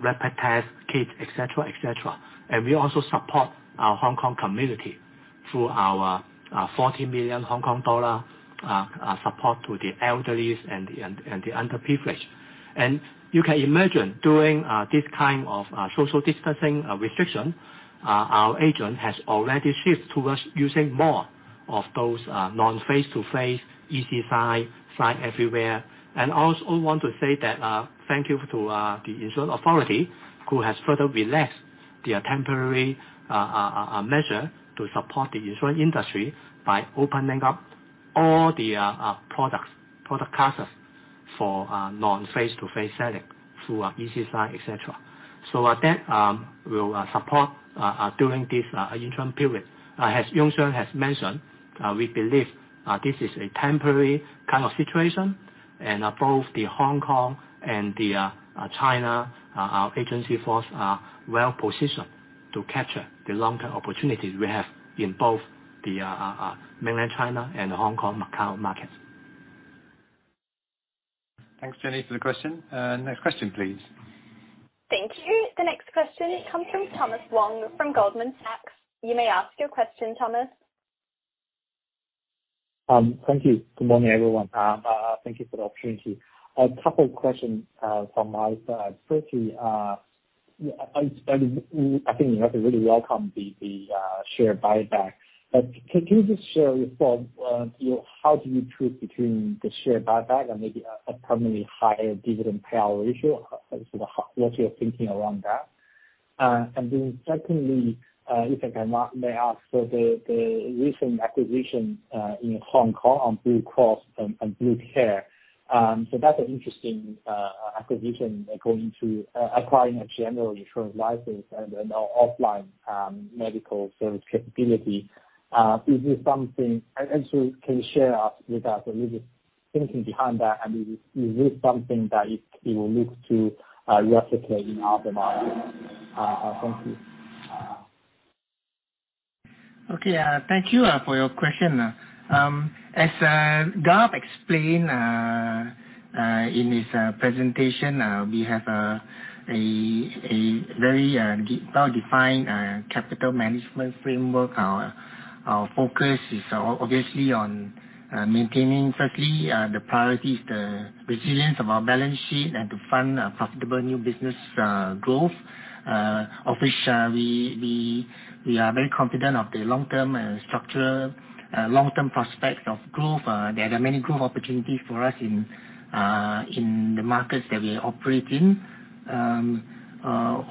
rapid test kit, et cetera. We also support our Hong Kong community through our 40 million Hong Kong dollar support to the elderlies and the underprivileged. You can imagine during this kind of social distancing restriction, our agent has already shifted towards using more of those non-face-to-face e-signing everywhere. I also want to say thank you to the Insurance Authority who has further relaxed the temporary measure to support the insurance industry by opening up all the product classes for non-face-to-face selling through e-sign, et cetera. With that, we'll support during this interim period. As Lee Yuan Siong has mentioned, we believe this is a temporary kind of situation. Both the Hong Kong and the China agency force are well-positioned to capture the long-term opportunities we have in both the mainland China and Hong Kong, Macau markets. Thanks, Jenny, for the question. Next question, please. Thank you. The next question comes from Thomas Wang from Goldman Sachs. You may ask your question, Thomas. Thank you. Good morning, everyone. Thank you for the opportunity. A couple of questions from my side. Firstly, I think you have to really welcome the share buyback. Could you just share your thoughts on how you choose between the share buyback and maybe a permanently higher dividend payout ratio? What's your thinking around that? Secondly, if I may ask for the recent acquisition in Hong Kong of Blue Cross and Blue Care. That's an interesting acquisition a key to acquiring a general insurance license and offline medical service capability. Is this something... Also, can you share with us a little thinking behind that, and is this something that it will look to replicate in other markets? Thank you. Okay, thank you for your question. As Garth explained in his presentation, we have a very well-defined capital management framework. Our focus is obviously on maintaining. Firstly, the priority is the resilience of our balance sheet and to fund a profitable new business growth, of which we are very confident of the long-term and structural long-term prospects of growth. There are many growth opportunities for us in the markets that we operate in.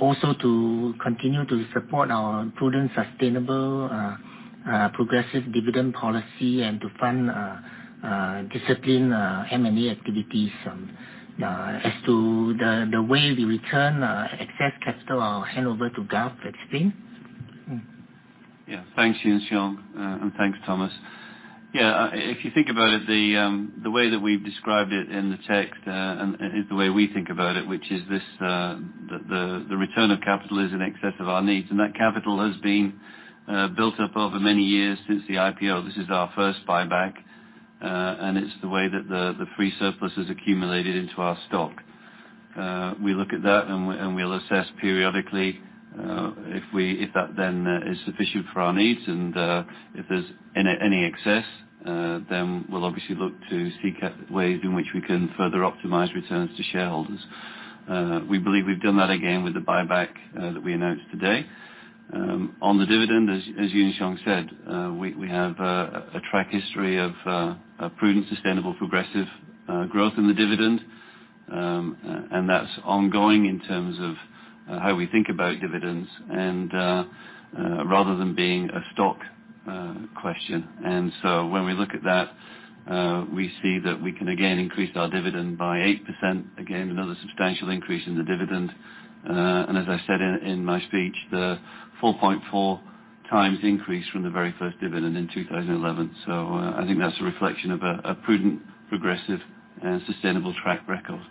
Also to continue to support our prudent, sustainable progressive dividend policy and to fund disciplined M&A activities. As to the way we return excess capital, I'll hand over to Garth to explain. Yeah. Thanks, Lee Yuan Siong, and thanks, Thomas. Yeah, if you think about it, the way that we've described it in the text is the way we think about it, which is this, the return of capital is in excess of our needs. That capital has been built up over many years since the IPO. This is our first buyback, and it's the way that the free surplus is accumulated into our stock. We look at that and we'll assess periodically if that is sufficient for our needs, and if there's any excess, then we'll obviously look to seek ways in which we can further optimize returns to shareholders. We believe we've done that again with the buyback that we announced today. On the dividend, as Lee Yuan Siong said, we have a track record of a prudent, sustainable, progressive growth in the dividend. That's ongoing in terms of how we think about dividends and rather than being a stock question. When we look at that, we see that we can again increase our dividend by 8%. Again, another substantial increase in the dividend. As I said in my speech, the 4.4x increase from the very first dividend in 2011. I think that's a reflection of a prudent, progressive, and sustainable track record.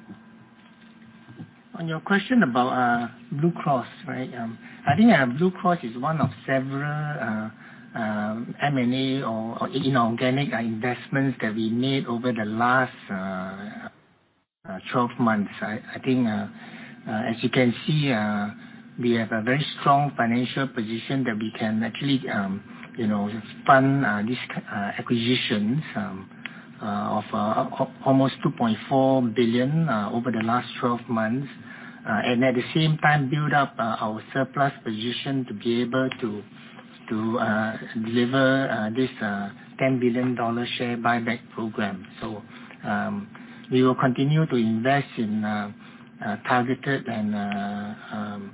On your question about Blue Cross, right? I think Blue Cross is one of several M&A or inorganic investments that we made over the last 12 months. I think, as you can see, we have a very strong financial position that we can actually, you know, fund these acquisitions of almost $2.4 billion over the last 12 months, and at the same time build up our surplus position to be able to deliver this $10 billion share buyback program. We will continue to invest in targeted and,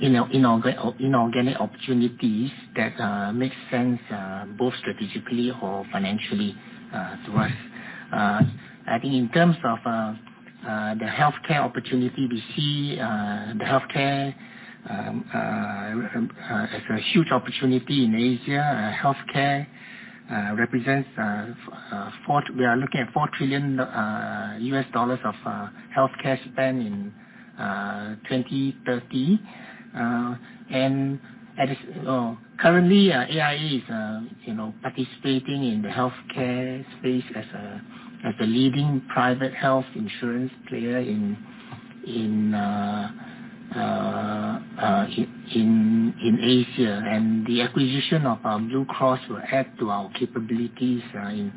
you know, inorganic opportunities that makes sense both strategically or financially to us. I think in terms of the healthcare opportunity, we see the healthcare as a huge opportunity in Asia. We are looking at $4 trillion of healthcare spend in 2030. Currently, AIA is you know, participating in the healthcare space as a leading private health insurance player in Asia. The acquisition of Blue Cross will add to our capabilities and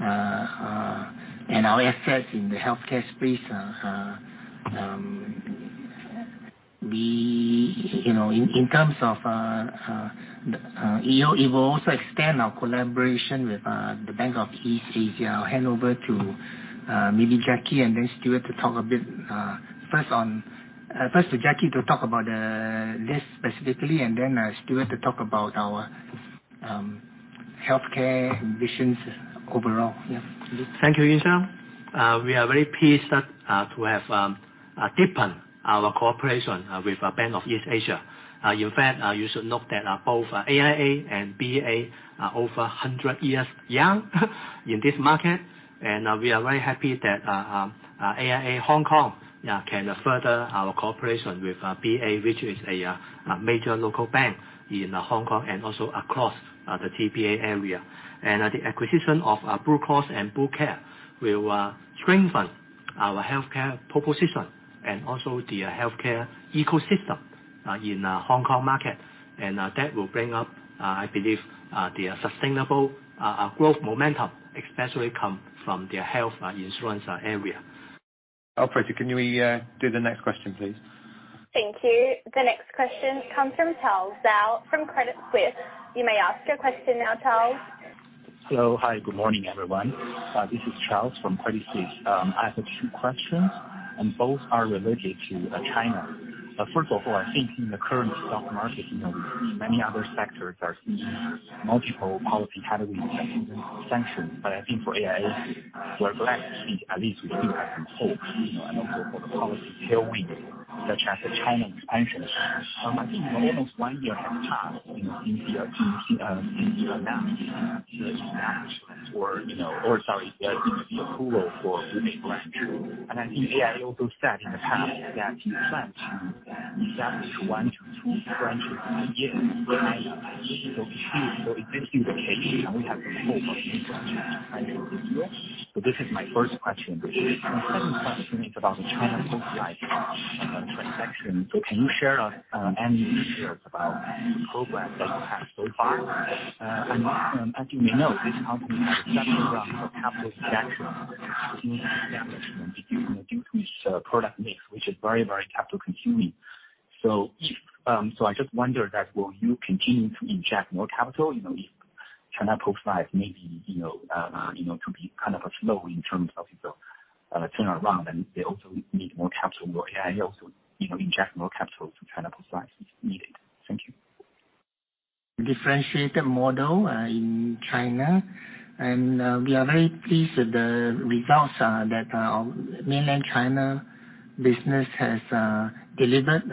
our assets in the healthcare space. You know, in terms of you know, it will also extend our collaboration with the Bank of East Asia. I'll hand over to maybe Jacky and then Stuart to talk a bit, first to Jacky to talk about this specifically and then Stuart to talk about our healthcare ambitions overall. Yeah. Thank you, Lee Yuan Siong. We are very pleased to have deepen our cooperation with Bank of East Asia. In fact, you should note that both AIA and BEA are over 100 years young in this market. We are very happy that AIA Hong Kong can further our cooperation with BA, which is a major local bank in Hong Kong and also across the TBA area. The acquisition of Blue Cross and Blue Care will strengthen our healthcare proposition and also the healthcare ecosystem in Hong Kong market. That will bring up, I believe, the sustainable growth momentum, especially coming from the health insurance area. Operator, can we do the next question, please? Thank you. The next question comes from Charles Zhou from Credit Suisse. You may ask your question now, Charles. Hi, good morning, everyone. This is Charles Zhou from Credit Suisse. I have two questions, and both are related to China. First of all, I think in the current stock market, you know, many other sectors are seeing multiple policy category sanctions. But I think for AIA, we're glad to see at least we still have some hopes, you know, and also for the policy tailwind, such as the China expansion. I think almost one year have passed since you announced the expansion or, you know, sorry, the approval for Hubei branch. And I think AIA also said in the past that you plan to establish 1-2 branches a year in China. If this is the case, then we have some hope of new branch expansion this year. This is my first question. The second question is about the China Post Life transaction. Can you share any details about the progress that you have so far? As you may know, this company has a substantial amount of capital injection, you know, due to its product mix, which is very, very capital consuming. I just wonder that will you continue to inject more capital, you know, if China Post Life may be, you know, could be kind of slow in terms of, you know, turnaround, and they also need more capital. Will AIA also, you know, inject more capital to China Post Life if needed? Thank you. Differentiated model in China. We are very pleased with the results that Mainland China business has delivered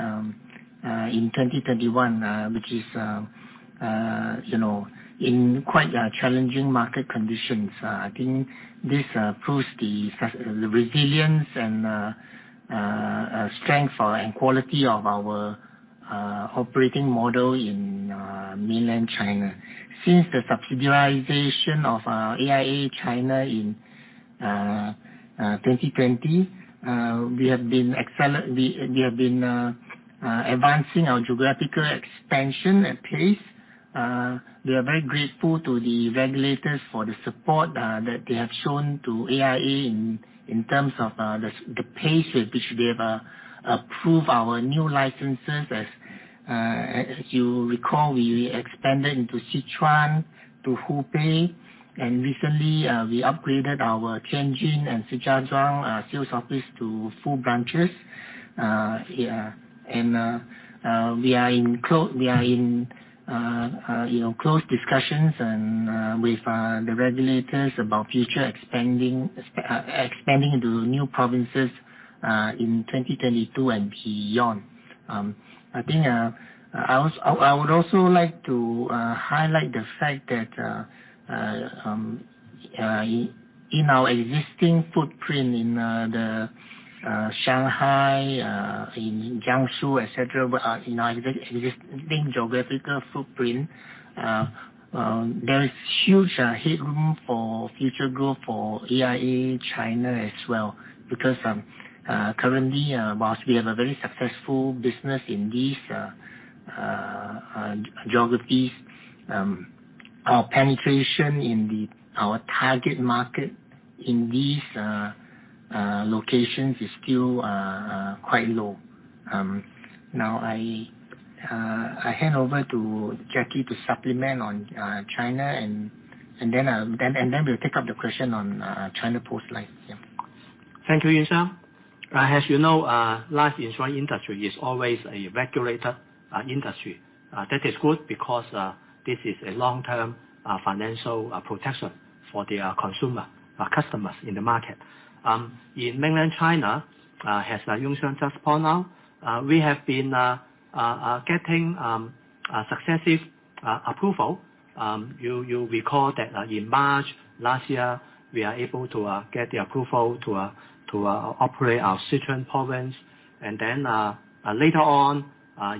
in 2021, which is, you know, in quite challenging market conditions. I think this proves the resilience and strength and quality of our operating model in mainland China. Since the subsidiarization of AIA China in 2020, we have been advancing our geographical expansion apace. We are very grateful to the regulators for the support that they have shown to AIA in terms of the pace at which they have approved our new licenses. As you recall, we expanded into Sichuan, to Hubei, and recently we upgraded our Tianjin and Shijiazhuang sales office to full branches. We are in, you know, close discussions with the regulators about future expanding into new provinces in 2022 and beyond. I think I would also like to highlight the fact that in our existing footprint in the Shanghai in Jiangsu, et cetera, in our existing geographical footprint, there is huge headroom for future growth for AIA China as well because currently whilst we have a very successful business in these geographies, our penetration in our target market in these locations is still quite low. Now I hand over to Jackie to supplement on China and then we'll take up the question on China Post Life. Yeah. Thank you, Yun Xiang. As you know, life insurance industry is always a regulated industry. That is good because this is a long-term financial protection for the consumer customers in the market. In Mainland China, as Yun Xiang just point out, we have been getting a successive approval. You'll recall that in March last year, we are able to get the approval to operate our Sichuan province. Then later on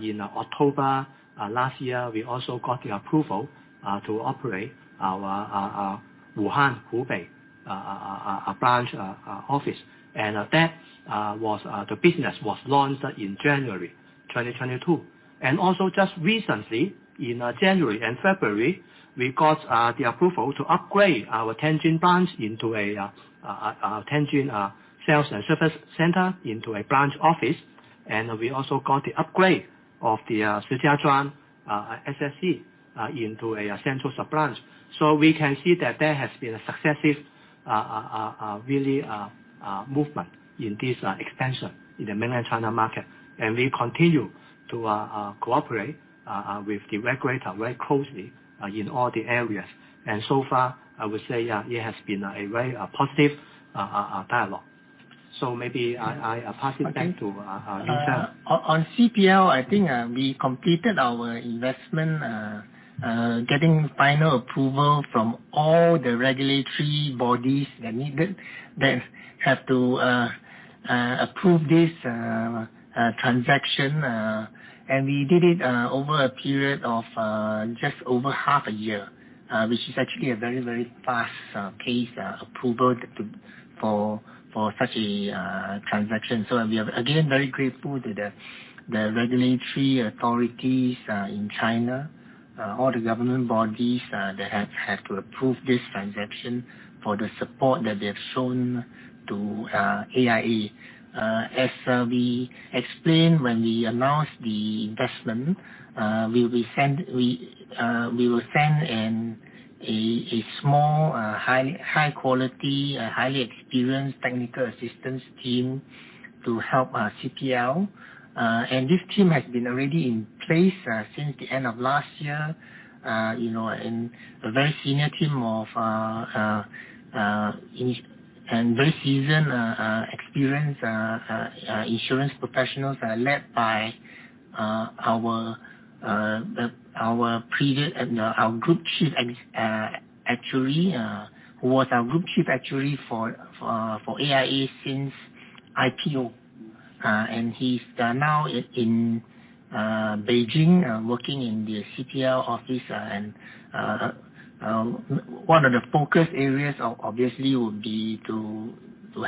in October last year, we also got the approval to operate our Wuhan, Hubei branch office. That business was launched in January 2022. Also just recently in January and February, we got the approval to upgrade our Tianjin sales and service center into a branch office. We also got the upgrade of the Shijiazhuang SSC into a central sub-branch. We can see that there has been a successive really movement in this expansion in the Mainland China market. We continue to cooperate with the regulator very closely in all the areas. So far, I would say, it has been a very positive dialogue. Maybe I pass it back to Lee Yuan Siong. On CPL, I think we completed our investment, getting final approval from all the regulatory bodies that need to approve this transaction. We did it over a period of just over half a year, which is actually a very fast pace of approval for such a transaction. We are again very grateful to the regulatory authorities in China, all the government bodies that have had to approve this transaction, for the support that they have shown to AIA. As we explained when we announced the investment, we will send a small, high quality, highly experienced technical assistance team to help CPL. This team has been already in place since the end of last year. You know, a very senior and very seasoned team of experienced insurance professionals are led by our Group Chief Actuary, who was our Group Chief Actuary for AIA since IPO. He's now in Beijing working in the CPL office. One of the focus areas obviously would be to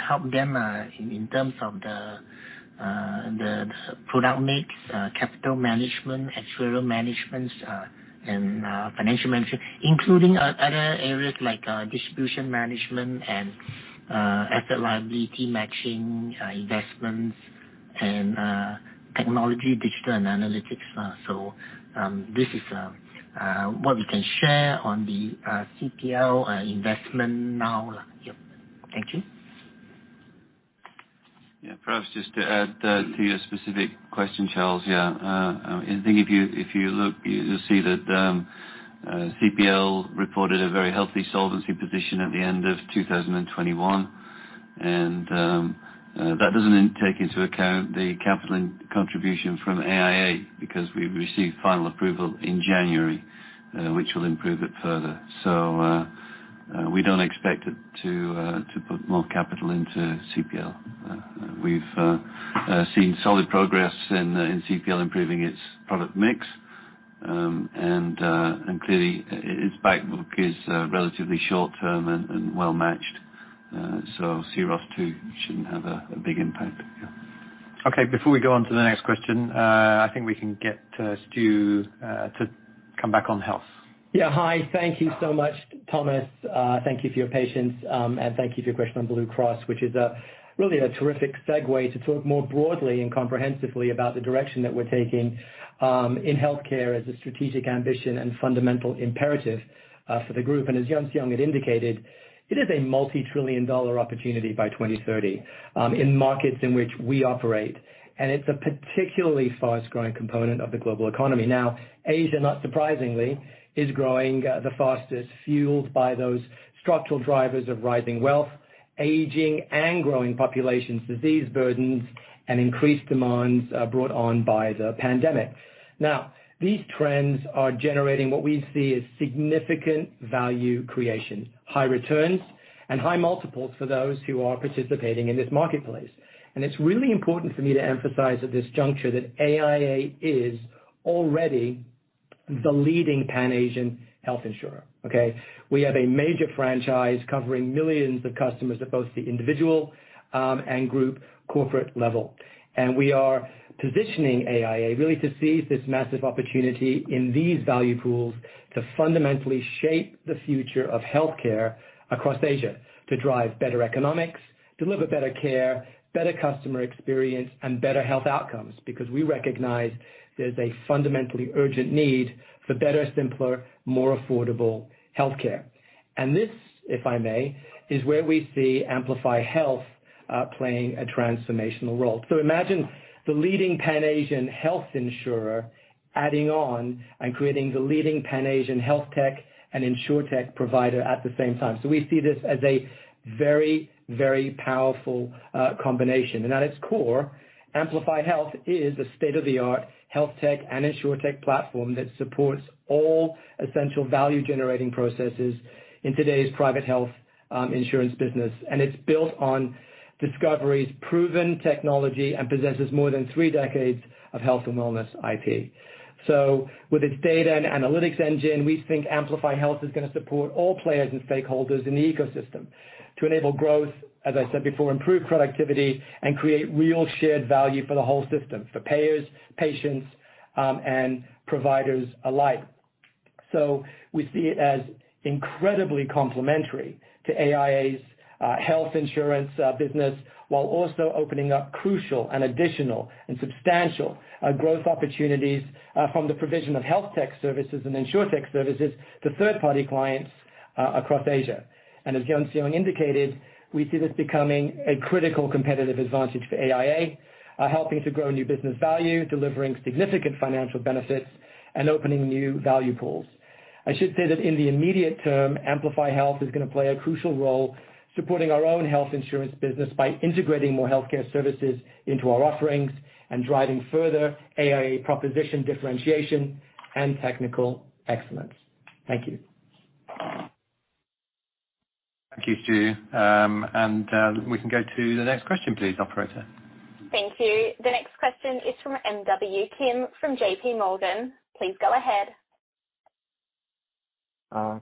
help them in terms of the product mix, capital management, actuarial managements, and financial management, including other areas like distribution management and asset liability matching, investments, and technology, digital, and analytics. This is what we can share on the CPL investment now. Yep. Thank you. Perhaps just to add to your specific question, Charles. I think if you look, you'll see that CPL reported a very healthy solvency position at the end of 2021. That doesn't take into account the capital contribution from AIA because we received final approval in January, which will improve it further. We don't expect it to put more capital into CPL. We've seen solid progress in CPL improving its product mix. Clearly its back book is relatively short term and well-matched. C-ROSS II shouldn't have a big impact. Okay. Before we go on to the next question, I think we can get Stu to come back on health. Yeah. Hi. Thank you so much, Thomas. Thank you for your patience. And thank you for your question on Blue Cross, which is really a terrific segue to talk more broadly and comprehensively about the direction that we're taking in healthcare as a strategic ambition and fundamental imperative for the group. As Lee Yuan Siong had indicated, it is a multi-trillion dollar opportunity by 2030 in markets in which we operate. It's a particularly fast growing component of the global economy. Now, Asia, not surprisingly, is growing the fastest, fueled by those structural drivers of rising wealth, aging and growing populations, disease burdens and increased demands brought on by the pandemic. Now these trends are generating what we see as significant value creation, high returns and high multiples for those who are participating in this marketplace. It's really important for me to emphasize at this juncture that AIA is already the leading Pan-Asian health insurer. Okay? We have a major franchise covering millions of customers at both the individual and group corporate level. We are positioning AIA really to seize this massive opportunity in these value pools to fundamentally shape the future of healthcare across Asia, to drive better economics, deliver better care, better customer experience and better health outcomes. Because we recognize there's a fundamentally urgent need for better, simpler, more affordable healthcare. This, if I may, is where we see Amplify Health playing a transformational role. Imagine the leading Pan-Asian health insurer adding on and creating the leading Pan-Asian health tech and insurtech provider at the same time. We see this as a very, very powerful combination. At its core, Amplify Health is a state-of-the-art health tech and insurtech platform that supports all essential value generating processes in today's private health insurance business. It's built on Discovery's proven technology and possesses more than three decades of health and wellness IT. With its data and analytics engine, we think Amplify Health is gonna support all players and stakeholders in the ecosystem to enable growth, as I said before, improve productivity and create real shared value for the whole system, for payers, patients, and providers alike. We see it as incredibly complementary to AIA's health insurance business, while also opening up crucial and additional and substantial growth opportunities from the provision of health tech services and insurtech services to third party clients across Asia. As Lee Yuan Siong indicated, we see this becoming a critical competitive advantage for AIA, helping to grow new business value, delivering significant financial benefits and opening new value pools. I should say that in the immediate term, Amplify Health is gonna play a crucial role supporting our own health insurance business by integrating more healthcare services into our offerings and driving further AIA proposition differentiation and technical excellence. Thank you. Thank you, Stu. We can go to the next question please, operator. Thank you. The next question is from MW Kim from JP Morgan. Please go ahead.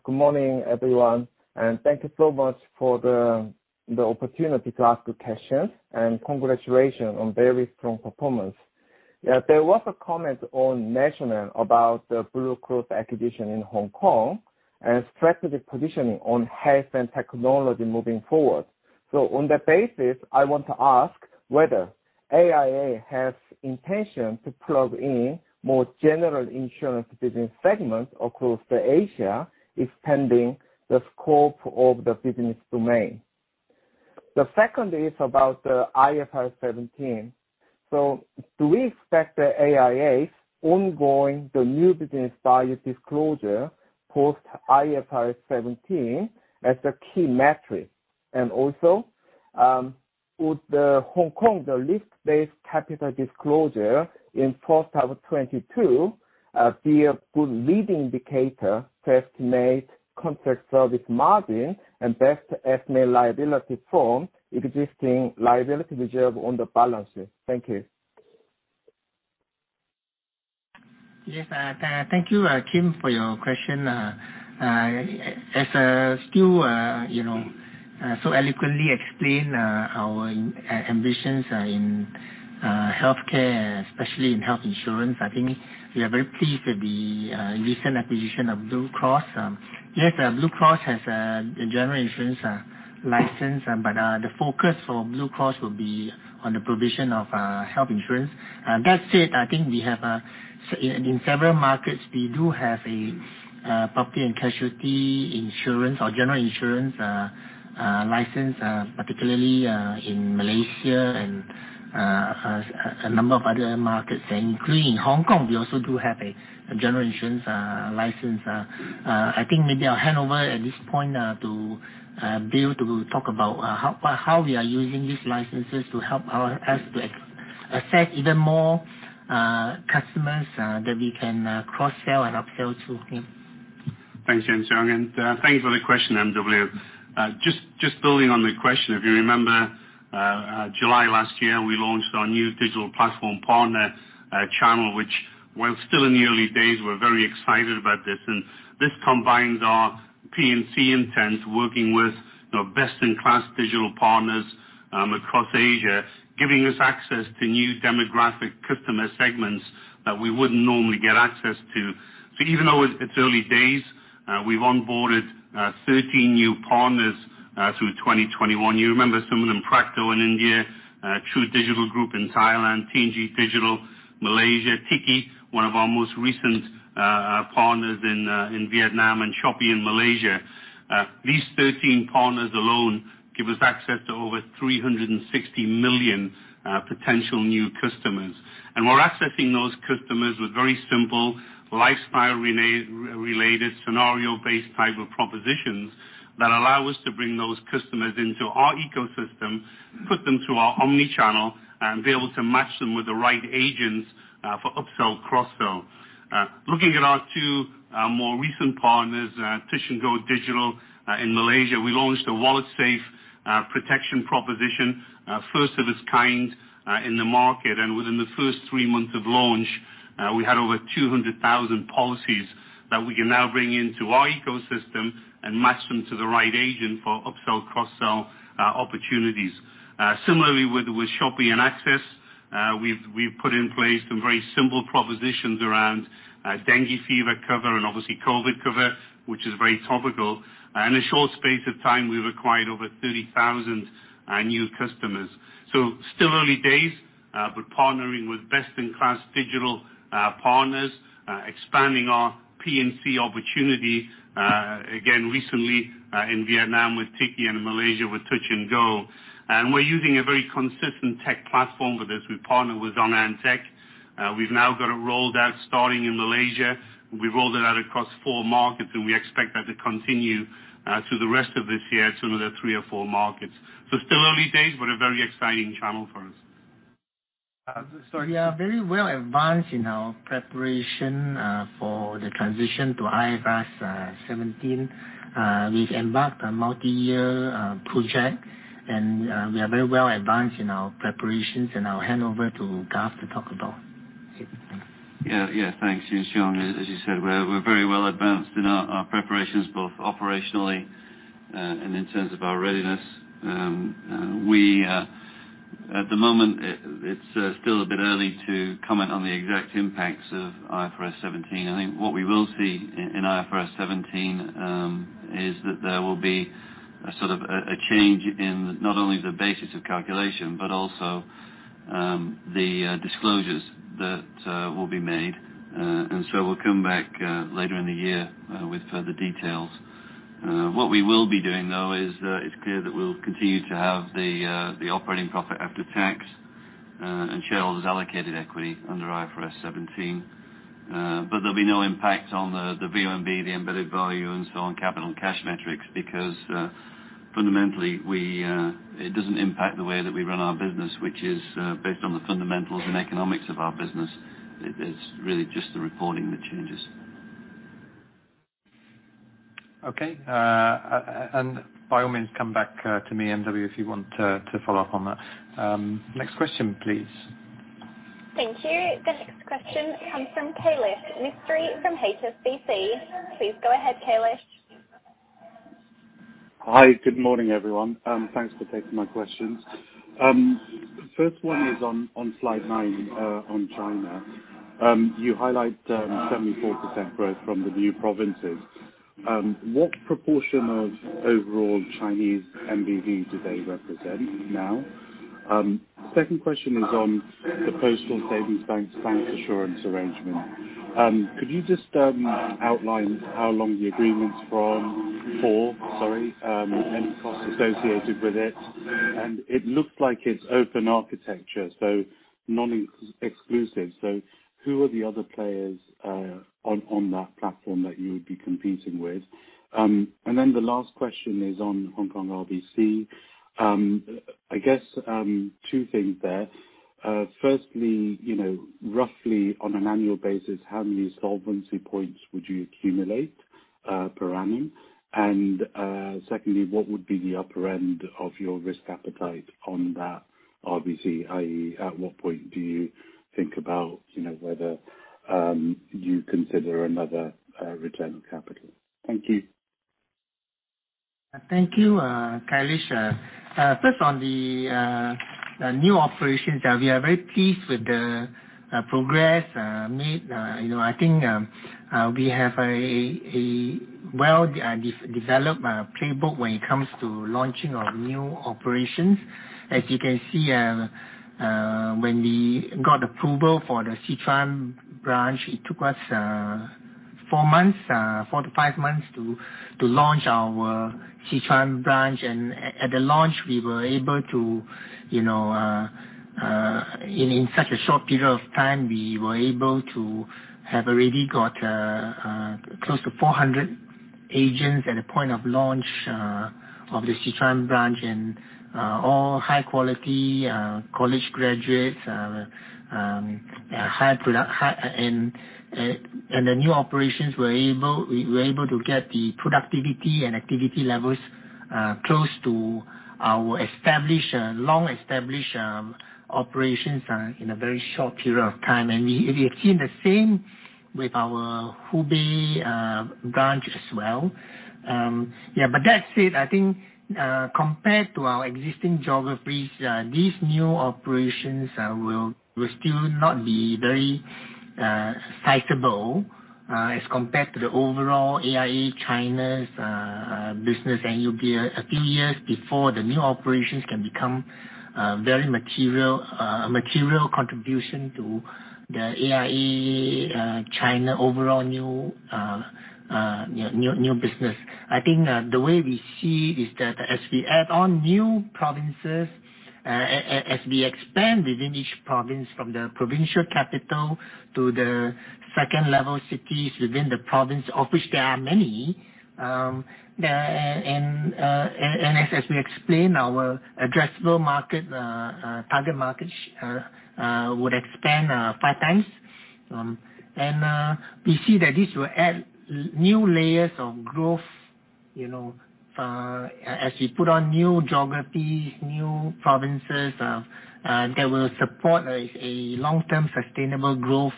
Good morning, everyone, and thank you so much for the opportunity to ask you questions, and congratulations on very strong performance. There was a comment on management's about the Blue Cross acquisition in Hong Kong and strategic positioning on health and technology moving forward. On that basis, I want to ask whether AIA has intention to plug in more general insurance business segments across Asia, expanding the scope of the business domain. The second is about the IFRS 17. Do we expect AIA to go on with the new business value disclosure post IFRS 17 as a key metric? And also, would the Hong Kong risk-based capital disclosure in first half of 2022 be a good leading indicator to estimate contractual service margin and best estimate liability from existing liability reserve on the balance sheet? Thank you. Yes, thank you, Kim, for your question. As Stu, you know, so eloquently explained, our ambitions in healthcare, especially in health insurance, I think we are very pleased with the recent acquisition of Blue Cross. Yes, Blue Cross has a general insurance license, but the focus for Blue Cross will be on the provision of health insurance. That said, I think we have in several markets, we do have a property and casualty insurance or general insurance license, particularly in Malaysia and a number of other markets. Including Hong Kong, we also do have a general insurance license. I think maybe I'll hand over at this point to Bill to talk about how we are using these licenses to help us assess even more customers that we can cross-sell and upsell to. Yeah. Thanks, Yuan Siong, and thanks for the question, MW. Just building on the question, if you remember, July last year, we launched our new digital platform partner channel, which while still in the early days, we're very excited about this. This combines our P&C intent working with, you know, best in class digital partners, across Asia, giving us access to new demographic customer segments that we wouldn't normally get access to. Even though it's early days, we've onboarded 13 new partners through 2021. You remember some of them, Practo in India, True Digital Group in Thailand, TNG Digital Malaysia, Tiki, one of our most recent partners in Vietnam and Shopee in Malaysia. These 13 partners alone give us access to over 360 million potential new customers. We're accessing those customers with very simple lifestyle-related scenario-based type of propositions that allow us to bring those customers into our ecosystem, put them through our omni-channel and be able to match them with the right agents for upsell, cross-sell. Looking at our 2 more recent partners, Touch 'n Go Digital in Malaysia, we launched a wallet safe protection proposition, first of its kind, in the market. Within the first 3 months of launch, we had over 200,000 policies that we can now bring into our ecosystem and match them to the right agent for upsell, cross-sell opportunities. Similarly, with Shopee and AXA, we've put in place some very simple propositions around dengue fever cover and obviously COVID cover, which is very topical. In a short space of time, we've acquired over 30,000 new customers. Still early days, but partnering with best-in-class digital partners, expanding our P&C opportunity, again recently, in Vietnam with Tiki and in Malaysia with Touch 'n Go. We're using a very consistent tech platform for this. We partner with bolttech. We've now got it rolled out starting in Malaysia. We rolled it out across 4 markets, and we expect that to continue through the rest of this year to another 3 or 4 markets. Still early days, but a very exciting channel for us. We are very well advanced in our preparation for the transition to IFRS 17. We've embarked on multi-year project, and we are very well advanced in our preparations and our handover to Gav to talk about it. Thanks, Yun Xiang. As you said, we're very well advanced in our preparations, both operationally and in terms of our readiness. At the moment, it's still a bit early to comment on the exact impacts of IFRS 17. I think what we will see in IFRS 17 is that there will be a sort of change in not only the basis of calculation, but also the disclosures that will be made. We'll come back later in the year with further details. What we will be doing though is it's clear that we'll continue to have the operating profit after tax and shareholders allocated equity under IFRS 17. There'll be no impact on the VMB, the Embedded Value, and capital and cash metrics, because fundamentally it doesn't impact the way that we run our business, which is based on the fundamentals and economics of our business. It's really just the reporting that changes. Okay. By all means, come back to me, MW, if you want to follow up on that. Next question, please. Thank you. The next question comes from Kailesh Mistry from HSBC. Please go ahead, Kailesh. Hi. Good morning, everyone. Thanks for taking my questions. First one is on slide nine on China. You highlight 74% growth from the new provinces. What proportion of overall Chinese MBV do they represent now? Second question is on the Postal Savings Bank of China's bancassurance arrangement. Could you just outline how long the agreement's for, any costs associated with it? It looks like it's open architecture, so non-exclusive. Who are the other players on that platform that you would be competing with? Then the last question is on Hong Kong RBC. I guess two things there. Firstly, you know, roughly on an annual basis, how many solvency points would you accumulate per annum? Secondly, what would be the upper end of your risk appetite on that RBC, i.e., at what point do you think about, you know, whether you consider another return of capital? Thank you. Thank you, Kailesh. First on the new operations. We are very pleased with the progress made. You know, I think we have a well-developed playbook when it comes to launching new operations. As you can see, when we got approval for the Sichuan branch, it took us 4-5 months to launch our Sichuan branch. At the launch, we were able to, you know, in such a short period of time, we were able to have already got close to 400 agents at the point of launch of the Sichuan branch. All high quality college graduates, and the new operations were able to get the productivity and activity levels close to our long-established operations in a very short period of time. We have seen the same with our Hubei branch as well. But that said, I think compared to our existing geographies these new operations will still not be very sizable as compared to the overall AIA China business. It'll be a few years before the new operations can become very material contribution to the AIA China overall new business. I think the way we see is that as we add on new provinces, as we expand within each province from the provincial capital to the second level cities within the province, of which there are many, and as we explained, our addressable market, target market would expand five times. We see that this will add new layers of growth, you know, as we put on new geographies, new provinces, that will support a long-term sustainable growth,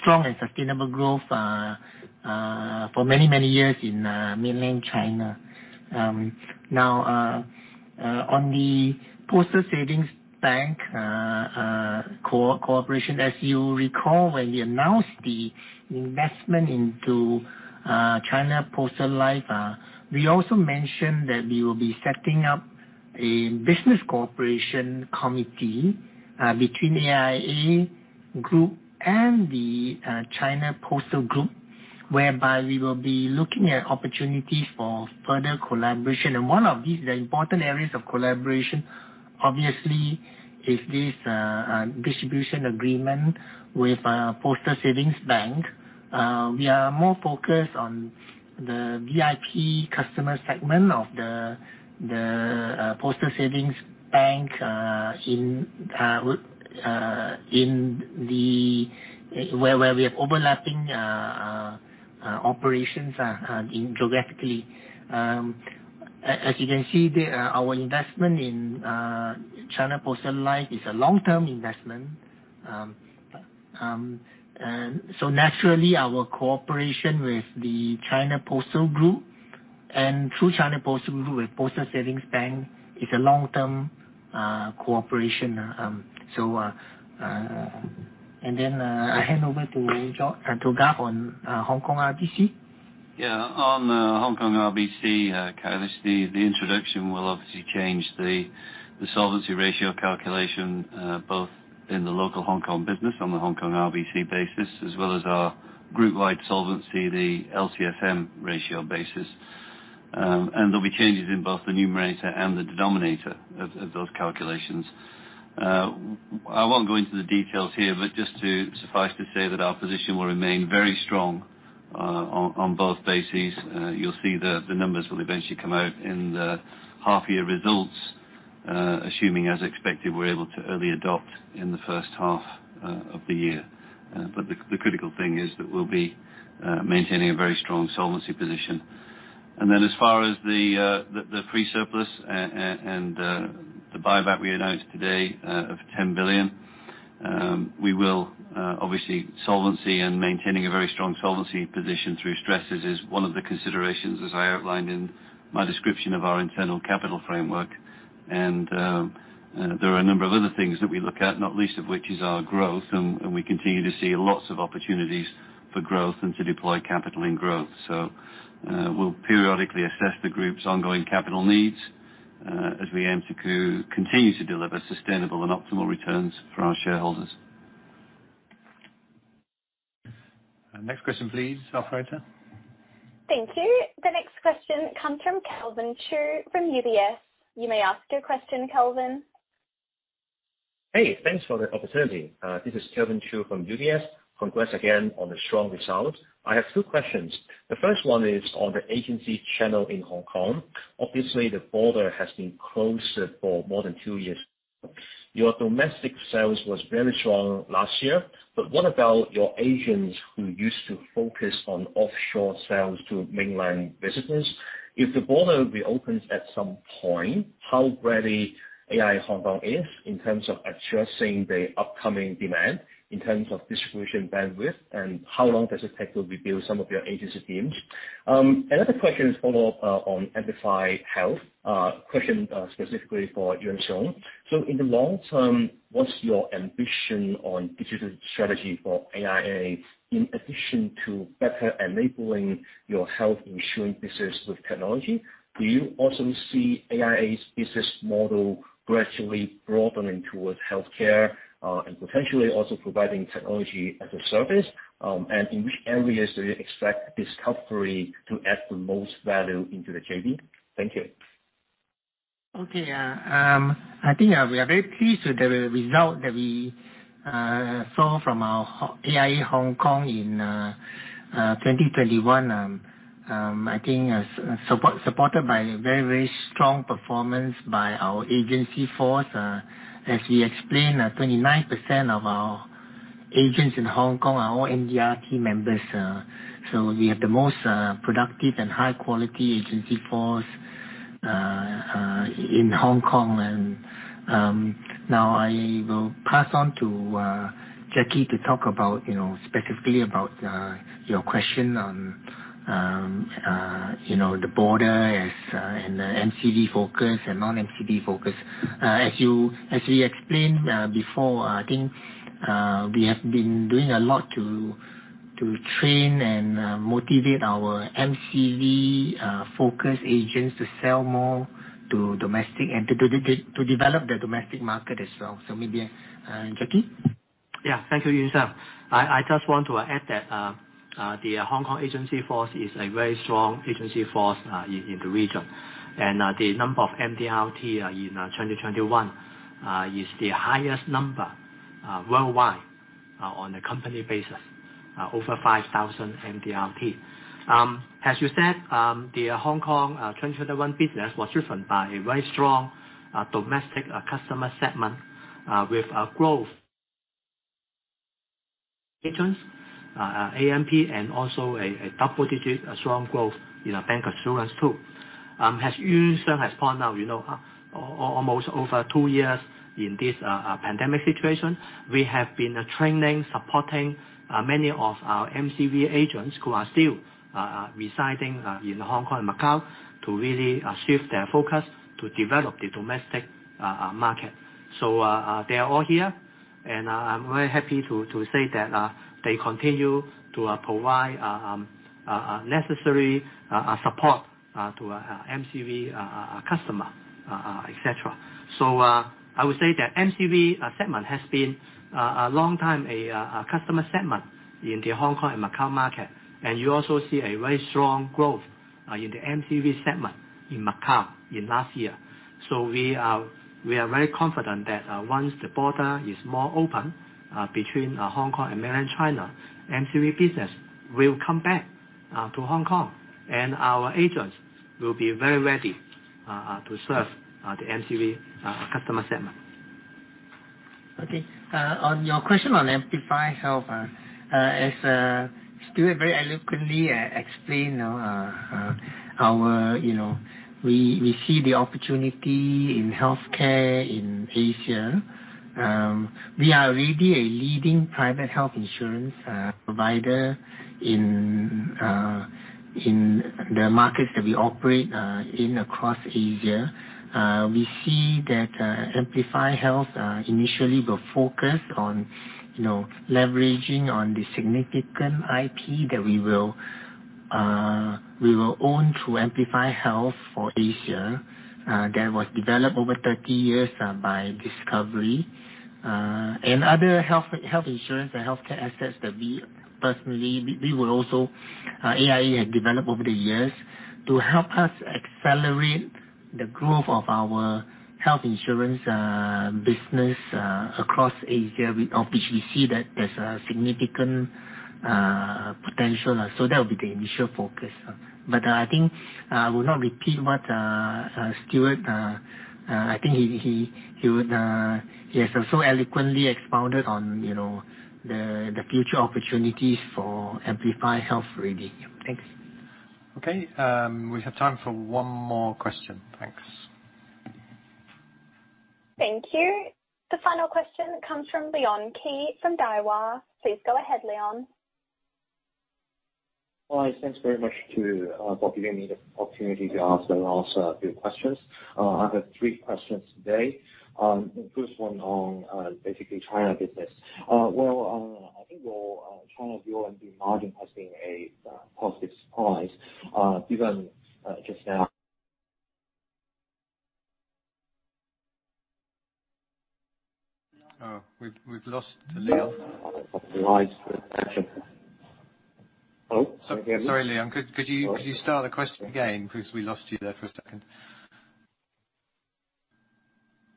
strong and sustainable growth, for many years in mainland China. Now, on the Postal Savings Bank of China cooperation, as you recall, when we announced the investment into China Post Life, we also mentioned that we will be setting up a business cooperation committee between AIA Group and the China Post Group, whereby we will be looking at opportunities for further collaboration. One of the important areas of collaboration, obviously, is this distribution agreement with Postal Savings Bank of China. We are more focused on the VIP customer segment of the Postal Savings Bank of China where we have overlapping operations geographically. As you can see, our investment in China Post Life is a long-term investment. Naturally, our cooperation with the China Post Group and through China Post Group with Postal Savings Bank of China is a long-term cooperation. I hand over to Gav on Hong Kong RBC. Yeah. On Hong Kong RBC, Kai, the introduction will obviously change the solvency ratio calculation both in the local Hong Kong business on the Hong Kong RBC basis, as well as our group-wide solvency, the LCSM ratio basis. There'll be changes in both the numerator and the denominator of those calculations. I won't go into the details here, but just to suffice to say that our position will remain very strong on both bases. You'll see the numbers will eventually come out in the half-year results, assuming as expected, we're able to early adopt in the first half of the year. The critical thing is that we'll be maintaining a very strong solvency position. As far as the free surplus and the buyback we announced today of $10 billion, we will obviously solvency and maintaining a very strong solvency position through stresses is one of the considerations, as I outlined in my description of our internal capital framework. There are a number of other things that we look at, not least of which is our growth, and we continue to see lots of opportunities for growth and to deploy capital in growth. We'll periodically assess the group's ongoing capital needs, as we aim to continue to deliver sustainable and optimal returns for our shareholders. Next question please, operator. Thank you. The next question comes from Kelvin Chu from UBS. You may ask your question, Kelvin. Hey, thanks for the opportunity. This is Kelvin Chu from UBS. Congrats again on the strong results. I have two questions. The first one is on the agency channel in Hong Kong. Obviously, the border has been closed for more than two years. Your domestic sales was very strong last year, but what about your agents who used to focus on offshore sales to mainland businesses? If the border reopens at some point, how ready AIA Hong Kong is in terms of addressing the upcoming demand, in terms of distribution bandwidth, and how long does it take to rebuild some of your agency teams? Another question is follow up on Amplify Health, specifically for Lee Yuan Siong. In the long term, what's your ambition on digital strategy for AIA in addition to better enabling your health insurance business with technology? Do you also see AIA's business model gradually broadening towards healthcare, and potentially also providing technology as a service? In which areas do you expect this Discovery to add the most value into the JV? Thank you. I think we are very pleased with the result that we saw from our AIA Hong Kong in 2021. I think supported by a very strong performance by our agency force. As we explained, 29% of our agents in Hong Kong are all MDRT members. So we have the most productive and high quality agency force in Hong Kong. Now I will pass on to Jackie to talk about, you know, specifically about your question on, you know, the border as and NCD focus and non-NCD focus. As we explained before, I think we have been doing a lot to train and motivate our MCV-Focus agents to sell more to domestic and to develop the domestic market as well. Maybe Jacky? Yeah. Thank you, Yuen Siu. I just want to add that the Hong Kong agency force is a very strong agency force in the region. The number of MDRT in 2021 is the highest number worldwide on a company basis, over 5,000 MDRT. As you said, the Hong Kong 2021 business was driven by a very strong domestic customer segment with growth in agents ANP and also a double-digit strong growth in our bancassurance too. As Lee Yuan Siong has pointed out, you know, almost over two years in this pandemic situation, we have been training, supporting many of our MCV agents who are still residing in Hong Kong and Macau to really shift their focus to develop the domestic market. They are all here, and I'm very happy to say that they continue to provide necessary support to MCV customers, et cetera. I would say that MCV segment has been a long-time customer segment in the Hong Kong and Macau market. You also see a very strong growth in the MCV segment in Macau in last year. We are very confident that once the border is more open between Hong Kong and Mainland China, MCV business will come back to Hong Kong, and our agents will be very ready to serve the MCV customer segment. Okay. On your question on Amplify Health, as Stuart very eloquently explained, you know, we see the opportunity in healthcare in Asia. We are already a leading private health insurance provider in the markets that we operate in across Asia. We see that Amplify Health initially will focus on, you know, leveraging on the significant IP that we will own through Amplify Health for Asia that was developed over 30 years by Discovery and other health insurance and healthcare assets that AIA had developed over the years to help us accelerate the growth of our health insurance business across Asia. Obviously we see that there's a significant potential. That would be the initial focus. I think I will not repeat what Stuart has so eloquently expounded on, you know, the future opportunities for Amplify Health really. Thanks. Okay. We have time for one more question. Thanks. Thank you. The final question comes from Leon Qi from Daiwa. Please go ahead, Leon. Hi, thanks very much for giving me the opportunity to ask and also a few questions. I have three questions today. The first one on basically China business. Well, I think your China VONB margin has been a positive surprise given just now. Oh, we've lost Leon. Hello? Sorry, Leon. Could you start the question again? Because we lost you there for a second.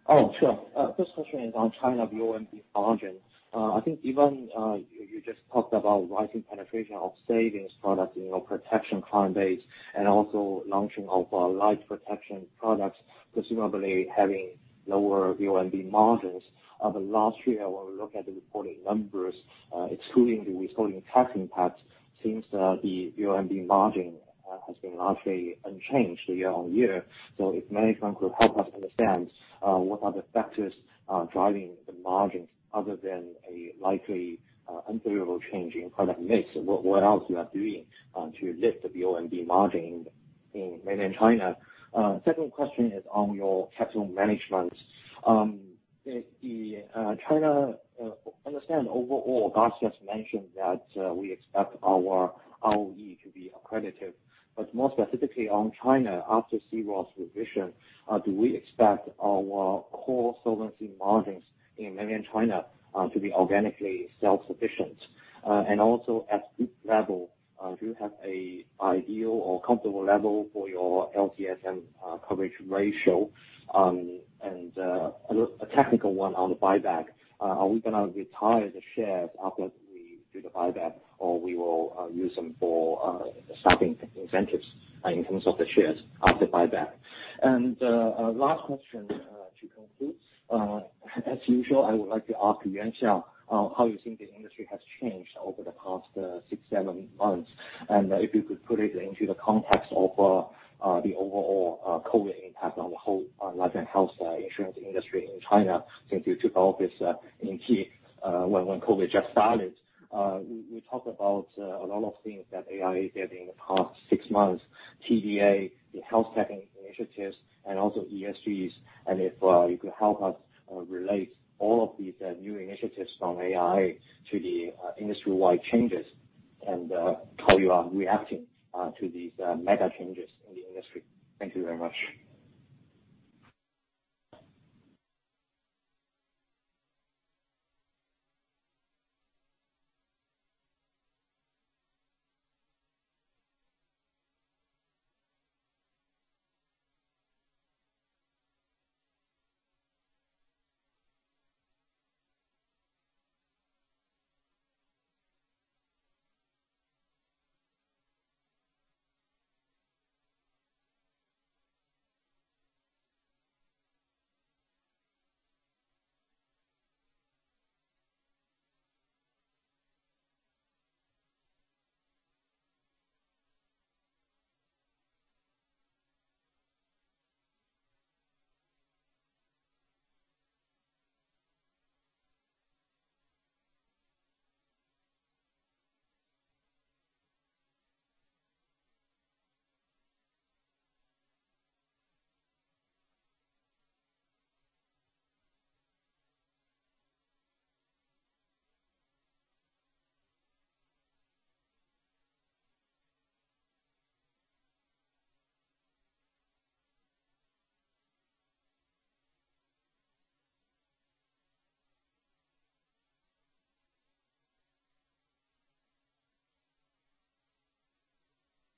Oh, sure. First question is on China VONB margin. I think even you just talked about rising penetration of savings products in your protection client base and also launching of life protection products, presumably having lower VONB margins. But last year when we look at the reporting numbers, excluding the withholding tax impact, seems the VONB margin has been largely unchanged year-over-year. If management could help us understand what are the factors driving the margins other than a likely unfavorable change in product mix? What else you are doing to lift the VONB margin in mainland China? Second question is on your capital management. Understand overall, as just mentioned that we expect our ROE to be accretive, but more specifically on China after C-ROSS's revision, do we expect our core solvency margins in mainland China to be organically self-sufficient? Also at group level, do you have a ideal or comfortable level for your LCSM coverage ratio? A technical one on the buyback. Are we gonna retire the shares after we do the buyback or we will use them for staffing incentives in terms of the shares after buyback? Last question to conclude. As usual, I would like to ask Lee Yuan Siong how you think the industry has changed over the past six, seven months, and if you could put it into the context of the overall COVID impact on the whole life and health insurance industry in China. Since you took office in Q1 when COVID just started, you talked about a lot of things that AIA did in the past six months, TDA, the health tech initiatives and also ESGs. If you could help us relate all of these new initiatives from AIA to the industry-wide changes and how you are reacting to these mega changes in the industry. Thank you very much.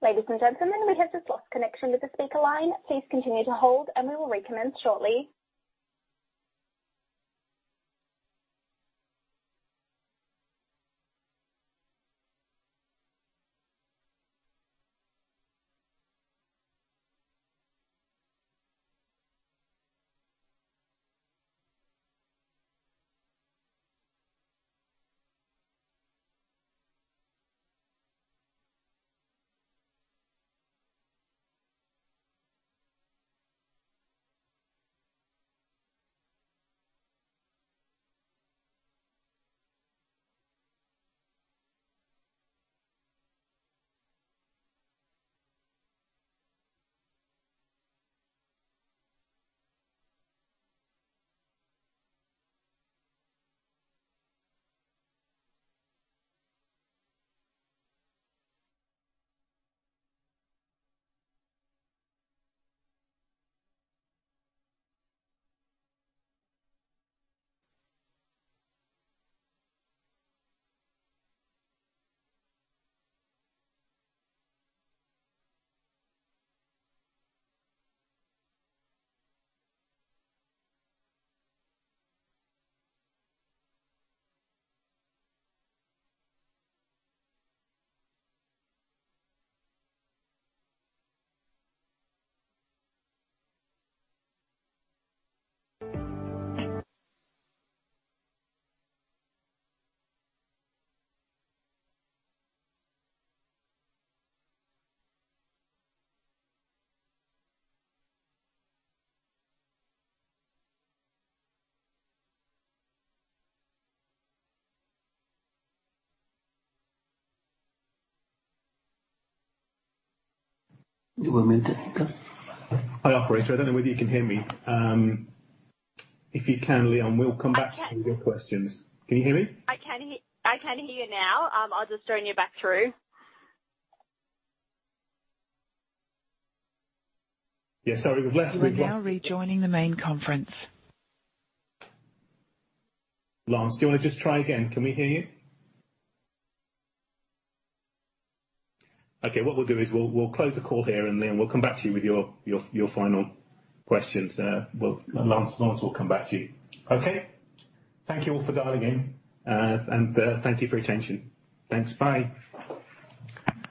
Ladies and gentlemen, we have just lost connection with the speaker line. Please continue to hold, and we will recommence shortly. You want me to hang up? Hi, operator. I don't know whether you can hear me. If you can, Leon, we'll come back to your questions. Can you hear me? I can hear you now. I'll just join you back through. Yeah, sorry, we've lost. You are now rejoining the main conference. Lance, do you wanna just try again? Can we hear you? Okay, what we'll do is we'll close the call here, and then we'll come back to you with your final questions. Lance will come back to you. Okay. Thank you all for dialing in. Thank you for your attention. Thanks. Bye.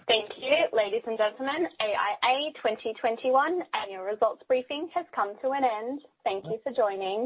Thank you. Ladies and gentlemen, AIA 2021 annual results briefing has come to an end. Thank you for joining.